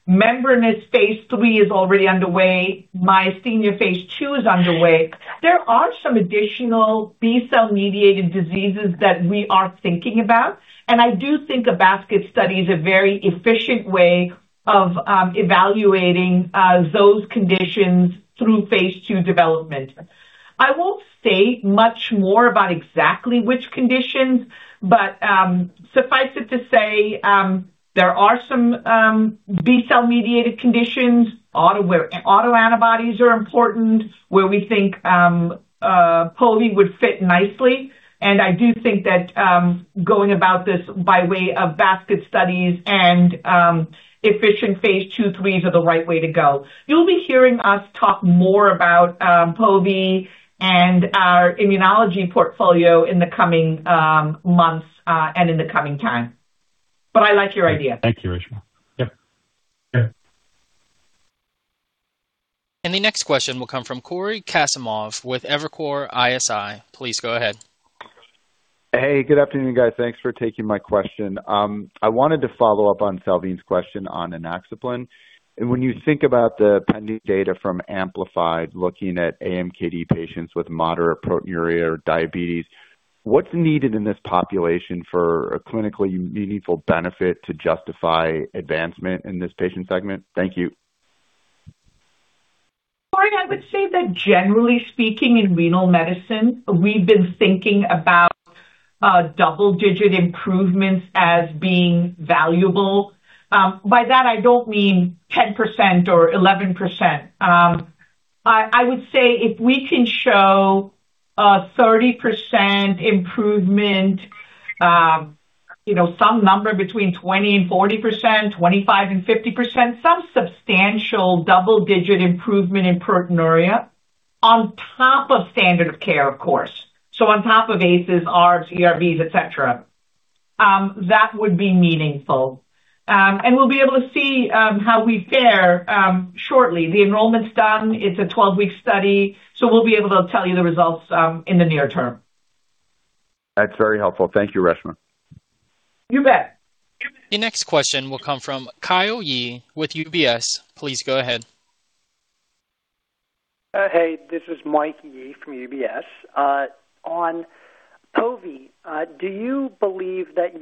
Speaker 3: Membranous phase III is already underway. Myasthenia phase II is underway. There are some additional B cell-mediated diseases that we are thinking about. I do think a basket study is a very efficient way of evaluating those conditions through phase II development. I won't state much more about exactly which conditions. Suffice it to say, there are some B cell-mediated conditions where autoantibodies are important, where we think pove would fit nicely. I do think that going about this by way of basket studies and efficient phase II/III are the right way to go. You'll be hearing us talk more about pove and our immunology portfolio in the coming months and in the coming time. I like your idea.
Speaker 9: Thank you, Reshma. Yep. Yeah.
Speaker 1: The next question will come from Cory Kasimov with Evercore ISI. Please go ahead.
Speaker 10: Hey, good afternoon, guys. Thanks for taking my question. I wanted to follow up on Salveen's question on inaxaplin. When you think about the pending data from AMPLIFIED, looking at AMKD patients with moderate proteinuria or diabetes, what's needed in this population for a clinically meaningful benefit to justify advancement in this patient segment? Thank you.
Speaker 3: Cory, I would say that generally speaking in renal medicine, we've been thinking about double-digit improvements as being valuable. By that I don't mean 10% or 11%. I would say if we can show a 30% improvement, you know, some number between 20% and 40%, 25% and 50%, some substantial double-digit improvement in proteinuria on top of standard of care, of course. On top of ACEi, ARBs, SGLT2i, et cetera, that would be meaningful. We'll be able to see how we fare shortly. The enrollment's done. It's a 12-week study, we'll be able to tell you the results in the near term.
Speaker 10: That's very helpful. Thank you, Reshma.
Speaker 3: You bet.
Speaker 1: The next question will come from Michael Yee with UBS. Please go ahead.
Speaker 11: Hey, this is Michael Yee from UBS. On pove, do you believe that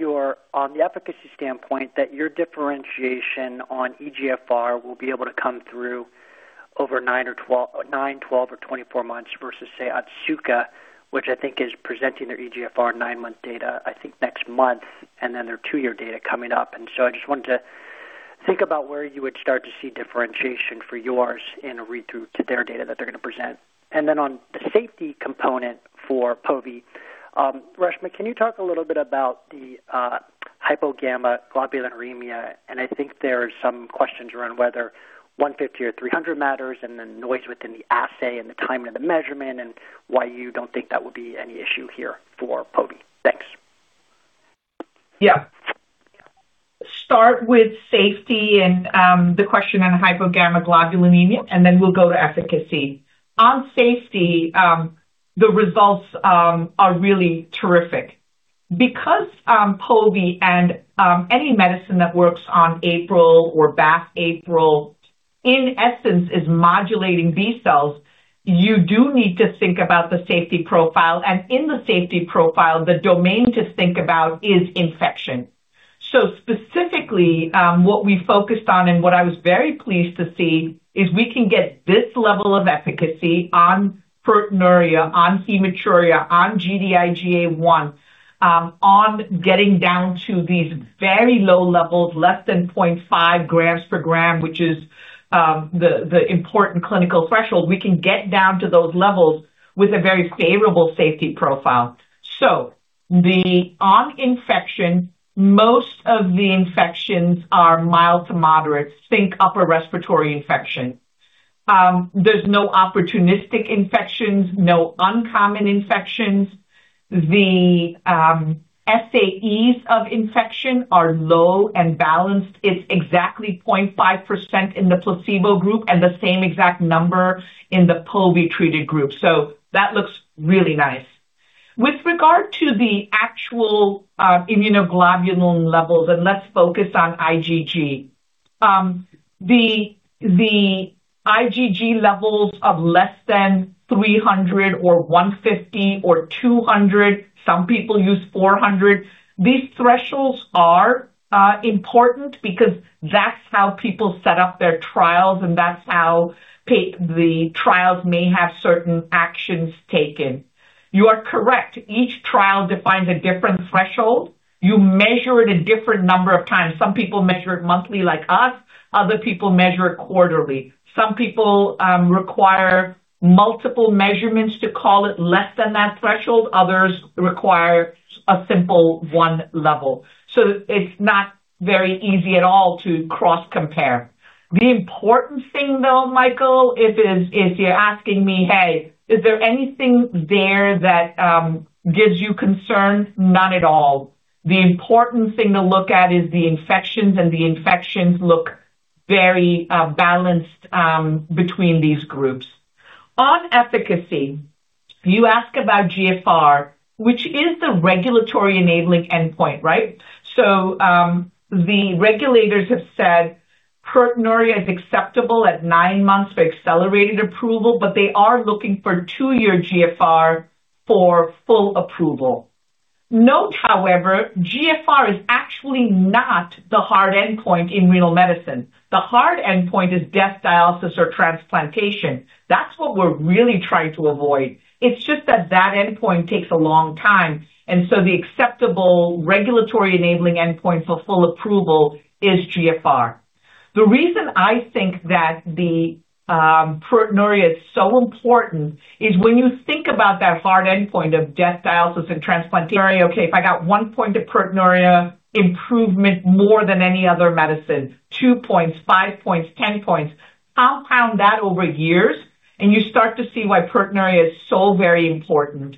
Speaker 11: on the efficacy standpoint, that your differentiation on eGFR will be able to come through over nine, 12 or 24 months versus, say, Otsuka, which I think is presenting their eGFR nine-month data, I think next month, and then their two-year data coming up. I just wanted to think about where you would start to see differentiation for yours in a read-through to their data that they're gonna present. Then on the safety component for pove, Reshma, can you talk a little bit about the hypogammaglobulinemia? I think there are some questions around whether 150 or 300 matters and the noise within the assay and the timing of the measurement and why you don't think that will be any issue here for pove. Thanks.
Speaker 3: Yeah. Start with safety and the question on hypogammaglobulinemia. Then we'll go to efficacy. On safety, the results are really terrific. Because pove and any medicine that works on APRIL or BAFF/APRIL, in essence, is modulating B cells, you do need to think about the safety profile. In the safety profile, the domain to think about is infection. Specifically, what we focused on and what I was very pleased to see is we can get this level of efficacy on proteinuria, on hematuria, on Gd-IgA1, on getting down to these very low levels, less than 0.5 g/g, which is the important clinical threshold. We can get down to those levels with a very favorable safety profile. On infection, most of the infections are mild to moderate. Think upper respiratory infection. There's no opportunistic infections, no uncommon infections. The SAEs of infection are low and balanced. It's exactly 0.5% in the placebo group and the same exact number in the pove-treated group. That looks really nice. With regard to the actual immunoglobulin levels, let's focus on IgG. The IgG levels of less than 300 or 150 or 200, some people use 400. These thresholds are important because that's how people set up their trials, that's how the trials may have certain actions taken. You are correct. Each trial defines a different threshold. You measure it a different number of times. Some people measure it monthly, like us. Other people measure it quarterly. Some people require multiple measurements to call it less than that threshold. Others require a simple one level. It's not very easy at all to cross-compare. The important thing, though, Michael, if you're asking me, "Hey, is there anything there that gives you concern?" None at all. The important thing to look at is the infections, and the infections look very balanced between these groups. On efficacy, you ask about GFR, which is the regulatory enabling endpoint, right? The regulators have said proteinuria is acceptable at nine months for accelerated approval, but they are looking for two-year GFR for full approval. Note, however, GFR is actually not the hard endpoint in renal medicine. The hard endpoint is death, dialysis or transplantation. That's what we're really trying to avoid. It's just that that endpoint takes a long time, the acceptable regulatory enabling endpoint for full approval is GFR. The reason I think that the proteinuria is so important is when you think about that hard endpoint of death, dialysis, and transplantation, okay, if I got one point of proteinuria improvement more than any other medicine, two points, five points, 10 points, compound that over years, and you start to see why proteinuria is so very important.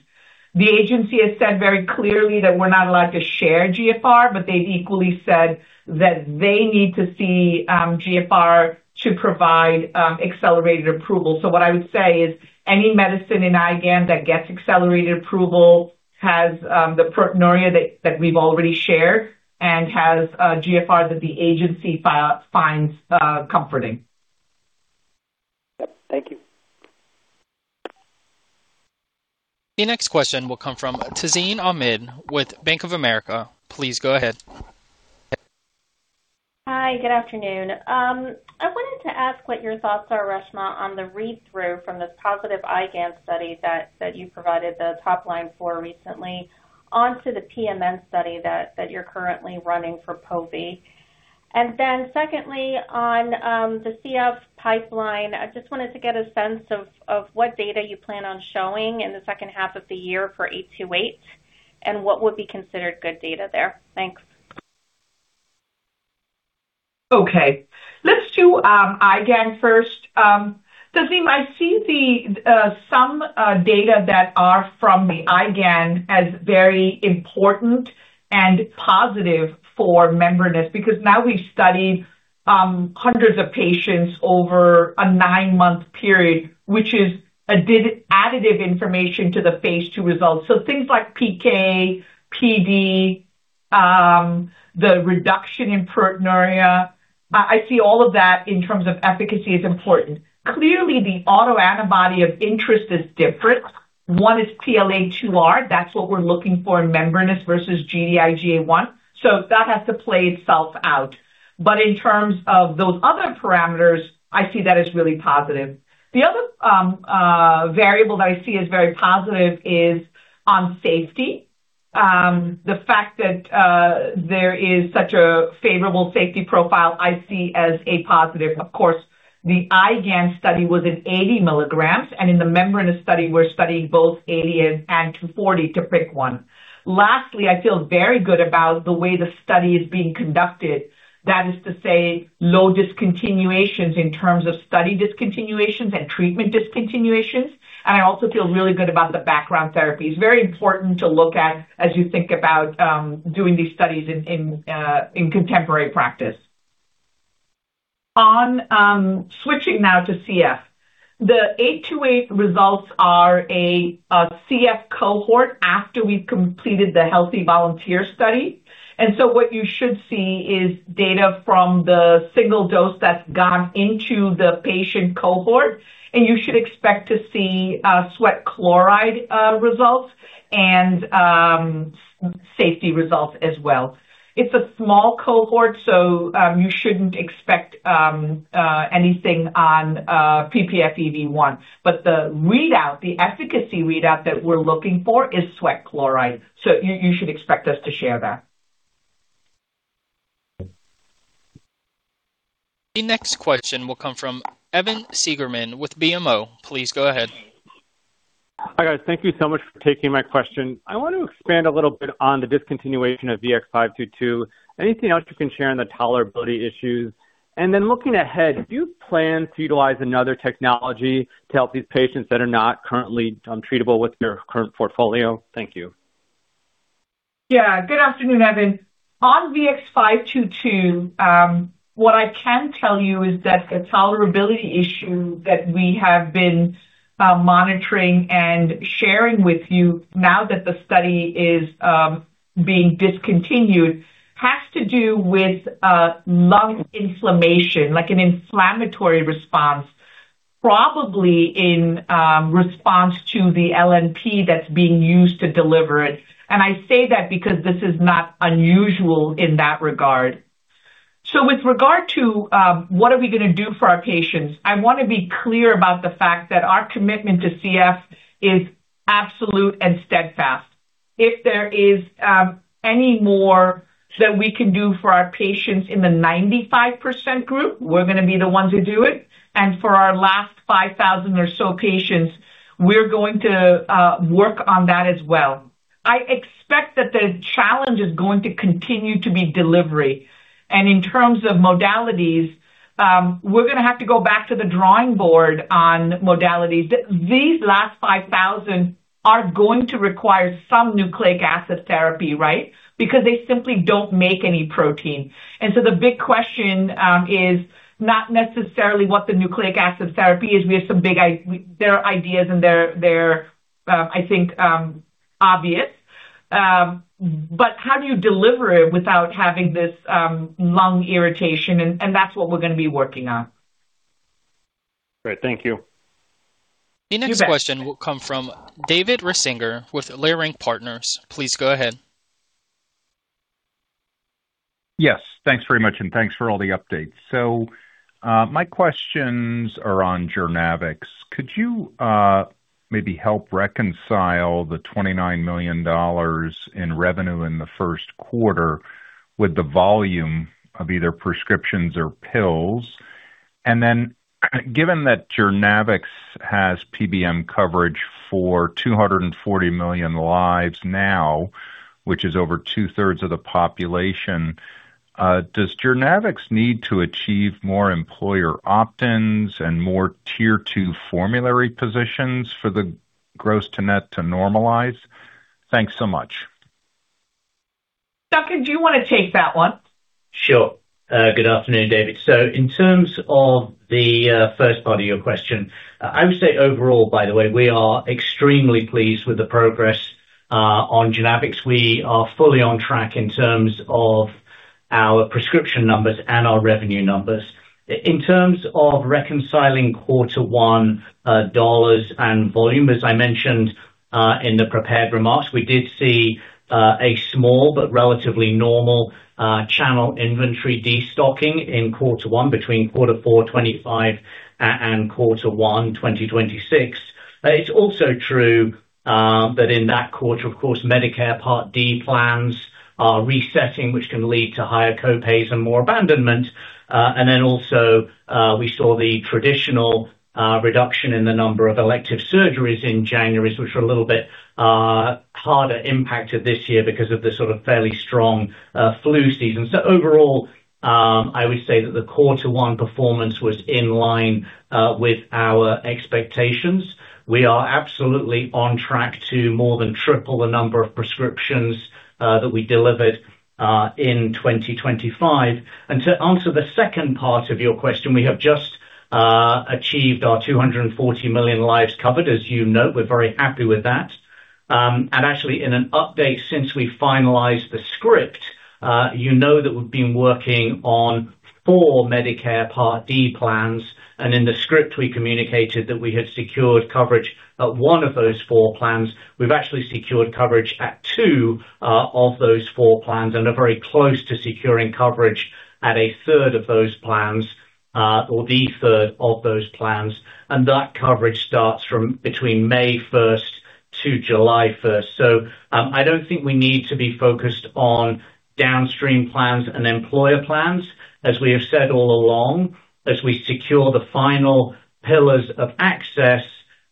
Speaker 3: The agency has said very clearly that we're not allowed to share GFR, but they've equally said that they need to see GFR to provide accelerated approval. What I would say is any medicine in IgAN that gets accelerated approval has the proteinuria that we've already shared and has a GFR that the agency finds comforting.
Speaker 11: Yep. Thank you.
Speaker 1: The next question will come from Tazeen Ahmad with Bank of America. Please go ahead.
Speaker 12: Hi. Good afternoon. I wanted to ask what your thoughts are, Reshma, on the read-through from this positive IgAN study that you provided the top line for recently onto the pMN study that you're currently running for pove. Secondly, on the CF pipeline, I just wanted to get a sense of what data you plan on showing in the second half of the year for VX-828 and what would be considered good data there. Thanks.
Speaker 3: Okay. Let's do IgAN first. Tazeen, I see the some data that are from the IgAN as very important and positive for membranous because now we've studied hundreds of patients over a nine-month period, which is additive information to the phase II results. Things like PK, PD, the reduction in proteinuria. I see all of that in terms of efficacy as important. Clearly, the autoantibody of interest is different. One is PLA2R. That's what we're looking for in membranous versus Gd-IgA1. That has to play itself out. In terms of those other parameters, I see that as really positive. The other variable that I see as very positive is on safety. The fact that there is such a favorable safety profile I see as a positive. The IgAN study was at 80 mg. In the membranous study, we're studying both 80 and 240 to PC1. Lastly, I feel very good about the way the study is being conducted. That is to say, low discontinuations in terms of study discontinuations and treatment discontinuations. I also feel really good about the background therapies. Very important to look at as you think about doing these studies in contemporary practice. Switching now to CF, the VX-828 results are a CF cohort after we've completed the healthy volunteer study. What you should see is data from the single dose that's gone into the patient cohort, and you should expect to see sweat chloride results and safety results as well. It's a small cohort, you shouldn't expect anything on ppFEV1. The readout, the efficacy readout that we're looking for is sweat chloride. You should expect us to share that.
Speaker 1: The next question will come from Evan Seigerman with BMO. Please go ahead.
Speaker 13: Hi, guys. Thank you so much for taking my question. I want to expand a little bit on the discontinuation of VX-522. Anything else you can share on the tolerability issues? Then looking ahead, do you plan to utilize another technology to help these patients that are not currently treatable with your current portfolio? Thank you.
Speaker 3: Good afternoon, Evan. On VX-522, what I can tell you is that the tolerability issue that we have been monitoring and sharing with you now that the study is being discontinued, has to do with lung inflammation, like an inflammatory response, probably in response to the LNP that's being used to deliver it. I say that because this is not unusual in that regard. With regard to what are we gonna do for our patients, I wanna be clear about the fact that our commitment to CF is absolute and steadfast. If there is any more that we can do for our patients in the 95% group, we're gonna be the ones who do it. For our last 5,000 or so patients, we're going to work on that as well. I expect that the challenge is going to continue to be delivery. In terms of modalities, we're going to have to go back to the drawing board on modalities. These last 5,000 are going to require some nucleic acid therapy, right? Because they simply don't make any protein. The big question is not necessarily what the nucleic acid therapy is. We have some big ideas there, and I think, obvious. How do you deliver it without having this lung irritation? That's what we're going to be working on.
Speaker 13: Great. Thank you.
Speaker 3: You bet.
Speaker 1: The next question will come from David Risinger with Leerink Partners. Please go ahead.
Speaker 14: Yes, thanks very much, and thanks for all the updates. My questions are on JOURNAVX. Could you maybe help reconcile the $29 million in revenue in the first quarter with the volume of either prescriptions or pills? Given that JOURNAVX has PBM coverage for 240 million lives now, which is over 2/3 of the population, does JOURNAVX need to achieve more employer opt-ins and more Tier 2 formulary positions for the gross to net to normalize? Thanks so much.
Speaker 3: Duncan, do you wanna take that one?
Speaker 4: Sure. Good afternoon, David. In terms of the first part of your question, I would say overall, by the way, we are extremely pleased with the progress on JOURNAVX. We are fully on track in terms of our prescription numbers and our revenue numbers. In terms of reconciling quarter one dollars and volume, as I mentioned in the prepared remarks, we did see a small but relatively normal channel inventory destocking in quarter one between quarter four 2025 and quarter one 2026. It's also true that in that quarter, of course, Medicare Part D plans are resetting, which can lead to higher co-pays and more abandonment. Also, we saw the traditional reduction in the number of elective surgeries in January, which were a little bit harder impacted this year because of the sort of fairly strong flu season. Overall, I would say that the quarter one performance was in line with our expectations. We are absolutely on track to more than triple the number of prescriptions that we delivered in 2025. To answer the second part of your question, we have just achieved our 240 million lives covered. As you know, we're very happy with that. Actually, in an update since we finalized the script, you know that we've been working on four Medicare Part D plans, and in the script, we communicated that we had secured coverage at one of those four plans. We've actually secured coverage at two of those four plans and are very close to securing coverage at a third of those plans, or the third of those plans. That coverage starts from between May 1st to July 1st. I don't think we need to be focused on downstream plans and employer plans. As we have said all along, as we secure the final pillars of access,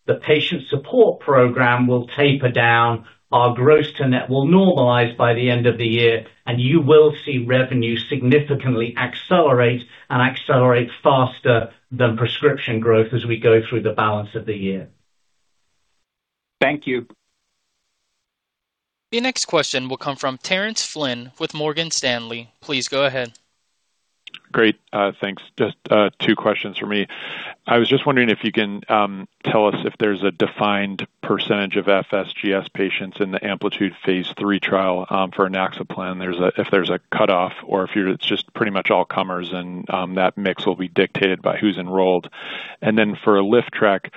Speaker 4: the patient support program will taper down. Our gross to net will normalize by the end of the year, and you will see revenue significantly accelerate and accelerate faster than prescription growth as we go through the balance of the year.
Speaker 14: Thank you.
Speaker 1: The next question will come from Terence Flynn with Morgan Stanley. Please go ahead.
Speaker 15: Great. Thanks. Just two questions for me. I was just wondering if you can tell us if there's a defined percentage of FSGS patients in the AMPLITUDE phase III trial for inaxaplin. If there's a cutoff or if you're just pretty much all comers and that mix will be dictated by who's enrolled. For ALYFTREK,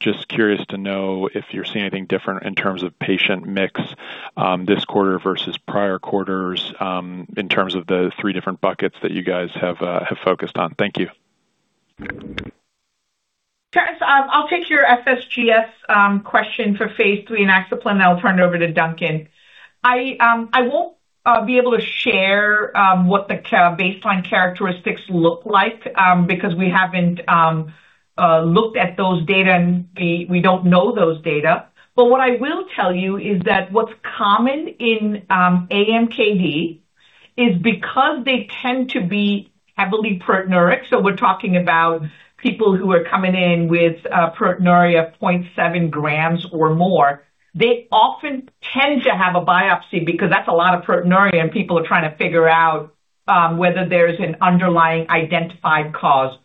Speaker 15: just curious to know if you're seeing anything different in terms of patient mix this quarter versus prior quarters in terms of the three different buckets that you guys have focused on. Thank you.
Speaker 3: Terence, I'll take your FSGS question for phase III inaxaplin, then I'll turn it over to Duncan. I won't be able to share what the baseline characteristics look like because we haven't looked at those data and we don't know those data. What I will tell you is that what's common in AMKD is because they tend to be heavily proteinuria. We're talking about people who are coming in with proteinuria of 0.7 g or more. They often tend to have a biopsy because that's a lot of proteinuria, and people are trying to figure out whether there's an underlying identified cause.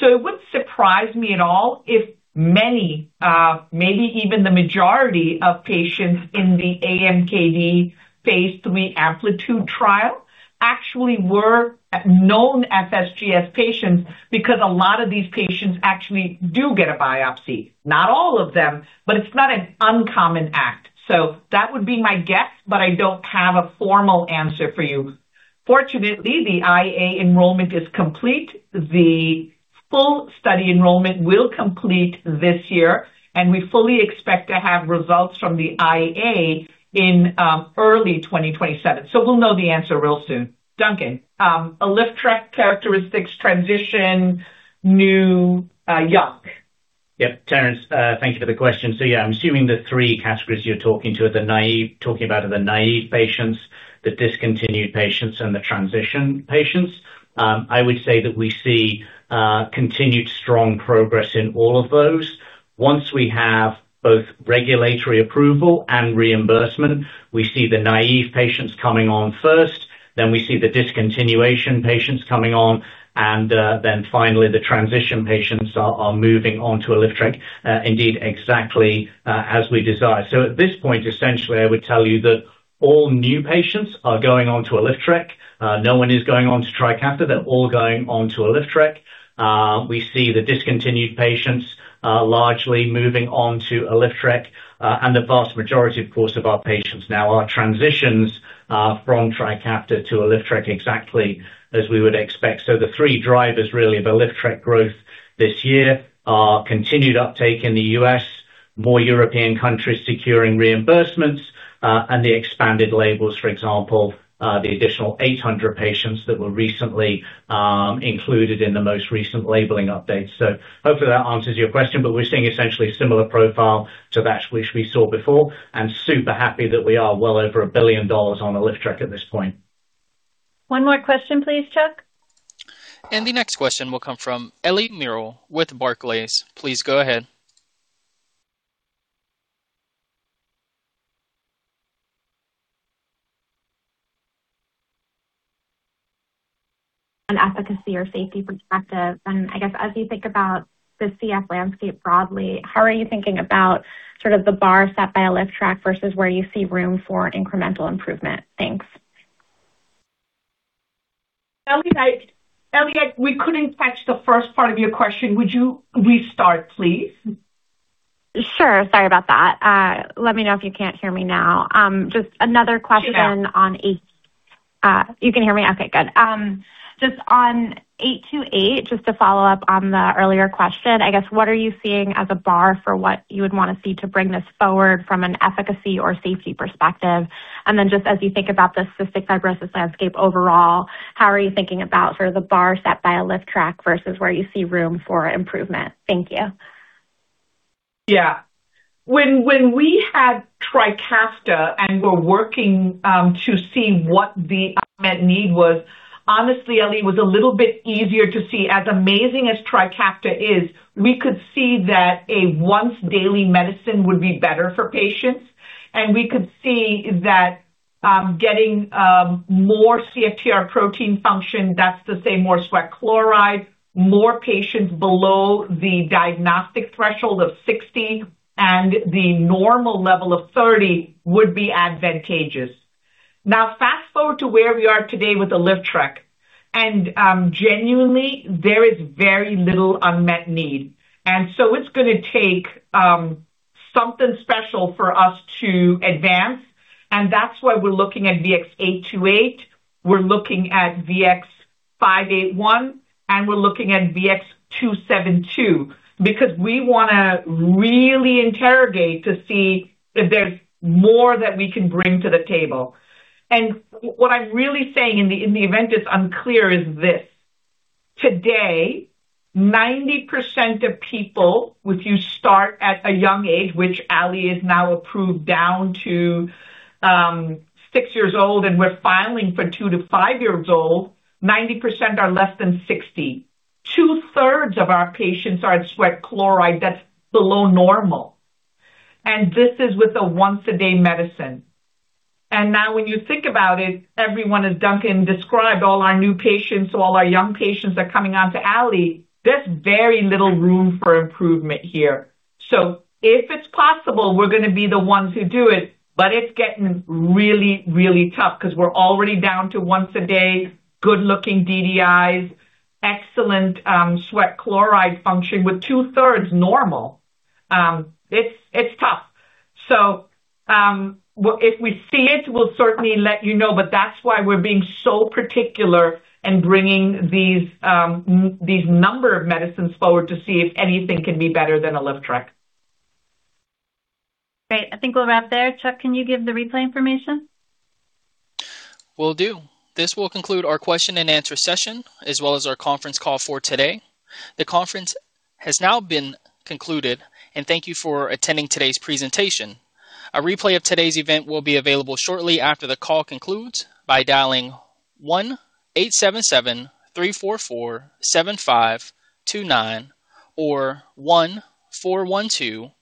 Speaker 3: It wouldn't surprise me at all if many, maybe even the majority of patients in the AMKD phase III AMPLITUDE trial actually were known FSGS patients because a lot of these patients actually do get a biopsy. Not all of them, but it's not an uncommon act. That would be my guess, but I don't have a formal answer for you. Fortunately, the IA enrollment is complete. The full study enrollment will complete this year, and we fully expect to have results from the IA in early 2027. We'll know the answer real soon. Duncan, ALYFTREK characteristics transition, new. Yeah.
Speaker 4: Yep. Terence, thank you for the question. Yeah, I'm assuming the three categories you're talking about are the naive patients, the discontinued patients, and the transition patients. I would say that we see continued strong progress in all of those. Once we have both regulatory approval and reimbursement, we see the naive patients coming on first, then we see the discontinuation patients coming on, and then finally, the transition patients are moving onto ALYFTREK, indeed exactly as we desire. At this point, essentially, I would tell you that all new patients are going on to ALYFTREK. No one is going on to TRIKAFTA. They're all going on to ALYFTREK. We see the discontinued patients largely moving on to ALYFTREK, and the vast majority, of course, of our patients now are transitions from TRIKAFTA to ALYFTREK exactly as we would expect. The three drivers really of ALYFTREK growth this year are continued uptake in the U.S., more European countries securing reimbursements, and the expanded labels, for example, the additional 800 patients that were recently included in the most recent labeling updates. Hopefully that answers your question, but we're seeing essentially a similar profile to that which we saw before, and super happy that we are well over $1 billion on ALYFTREK at this point.
Speaker 2: One more question, please, Chuck.
Speaker 1: The next question will come from Ellie Merle with Barclays. Please go ahead.
Speaker 16: An efficacy or safety perspective. I guess as you think about the CF landscape broadly, how are you thinking about sort of the bar set by ALYFTREK versus where you see room for incremental improvement? Thanks.
Speaker 3: Ellie, we couldn't catch the first part of your question. Would you restart, please?
Speaker 16: Sure. Sorry about that. Let me know if you can't hear me now.
Speaker 3: Yeah.
Speaker 16: You can hear me? Okay, good. Just on VX-828, just to follow up on the earlier question, I guess, what are you seeing as a bar for what you would wanna see to bring this forward from an efficacy or safety perspective? Then just as you think about the cystic fibrosis landscape overall, how are you thinking about sort of the bar set by ALYFTREK versus where you see room for improvement? Thank you.
Speaker 3: When we had TRIKAFTA and were working to see what the unmet need was, honestly, Ellie, it was a little bit easier to see. As amazing as TRIKAFTA is, we could see that a once-daily medicine would be better for patients. We could see that getting more CFTR protein function, that's to say more sweat chloride, more patients below the diagnostic threshold of 60 and the normal level of 30 would be advantageous. Fast-forward to where we are today with ALYFTREK, genuinely, there is very little unmet need. It's gonna take something special for us to advance, and that's why we're looking at VX-828, we're looking at VX-581, and we're looking at VX-272 because we wanna really interrogate to see if there's more that we can bring to the table. What I'm really saying in the, in the event it's unclear, is this. Today, 90% of people, which you start at a young age, which ALYFTREK is now approved down to six years old, and we're filing for 2-5 years old, 90% are less than 60. Two-thirds of our patients are at sweat chloride that's below normal. This is with a once-a-day medicine. Now when you think about it, everyone as Duncan described, all our new patients, all our young patients are coming onto ALYFTREK, there's very little room for improvement here. If it's possible, we're gonna be the ones who do it, but it's getting really, really tough because we're already down to once a day, good-looking DDIs, excellent sweat chloride function with 2/3 normal. It's tough. If we see it, we'll certainly let you know, but that's why we're being so particular in bringing these number of medicines forward to see if anything can be better than ALYFTREK.
Speaker 2: Great. I think we'll wrap there. Chuck, can you give the replay information?
Speaker 1: Will do. This will conclude our question-and-answer session as well as our conference call for today. The conference has now been concluded. Thank you for attending today's presentation. A replay of today's event will be available shortly after the call concludes by dialing 1-877-344-7529 or 1-412.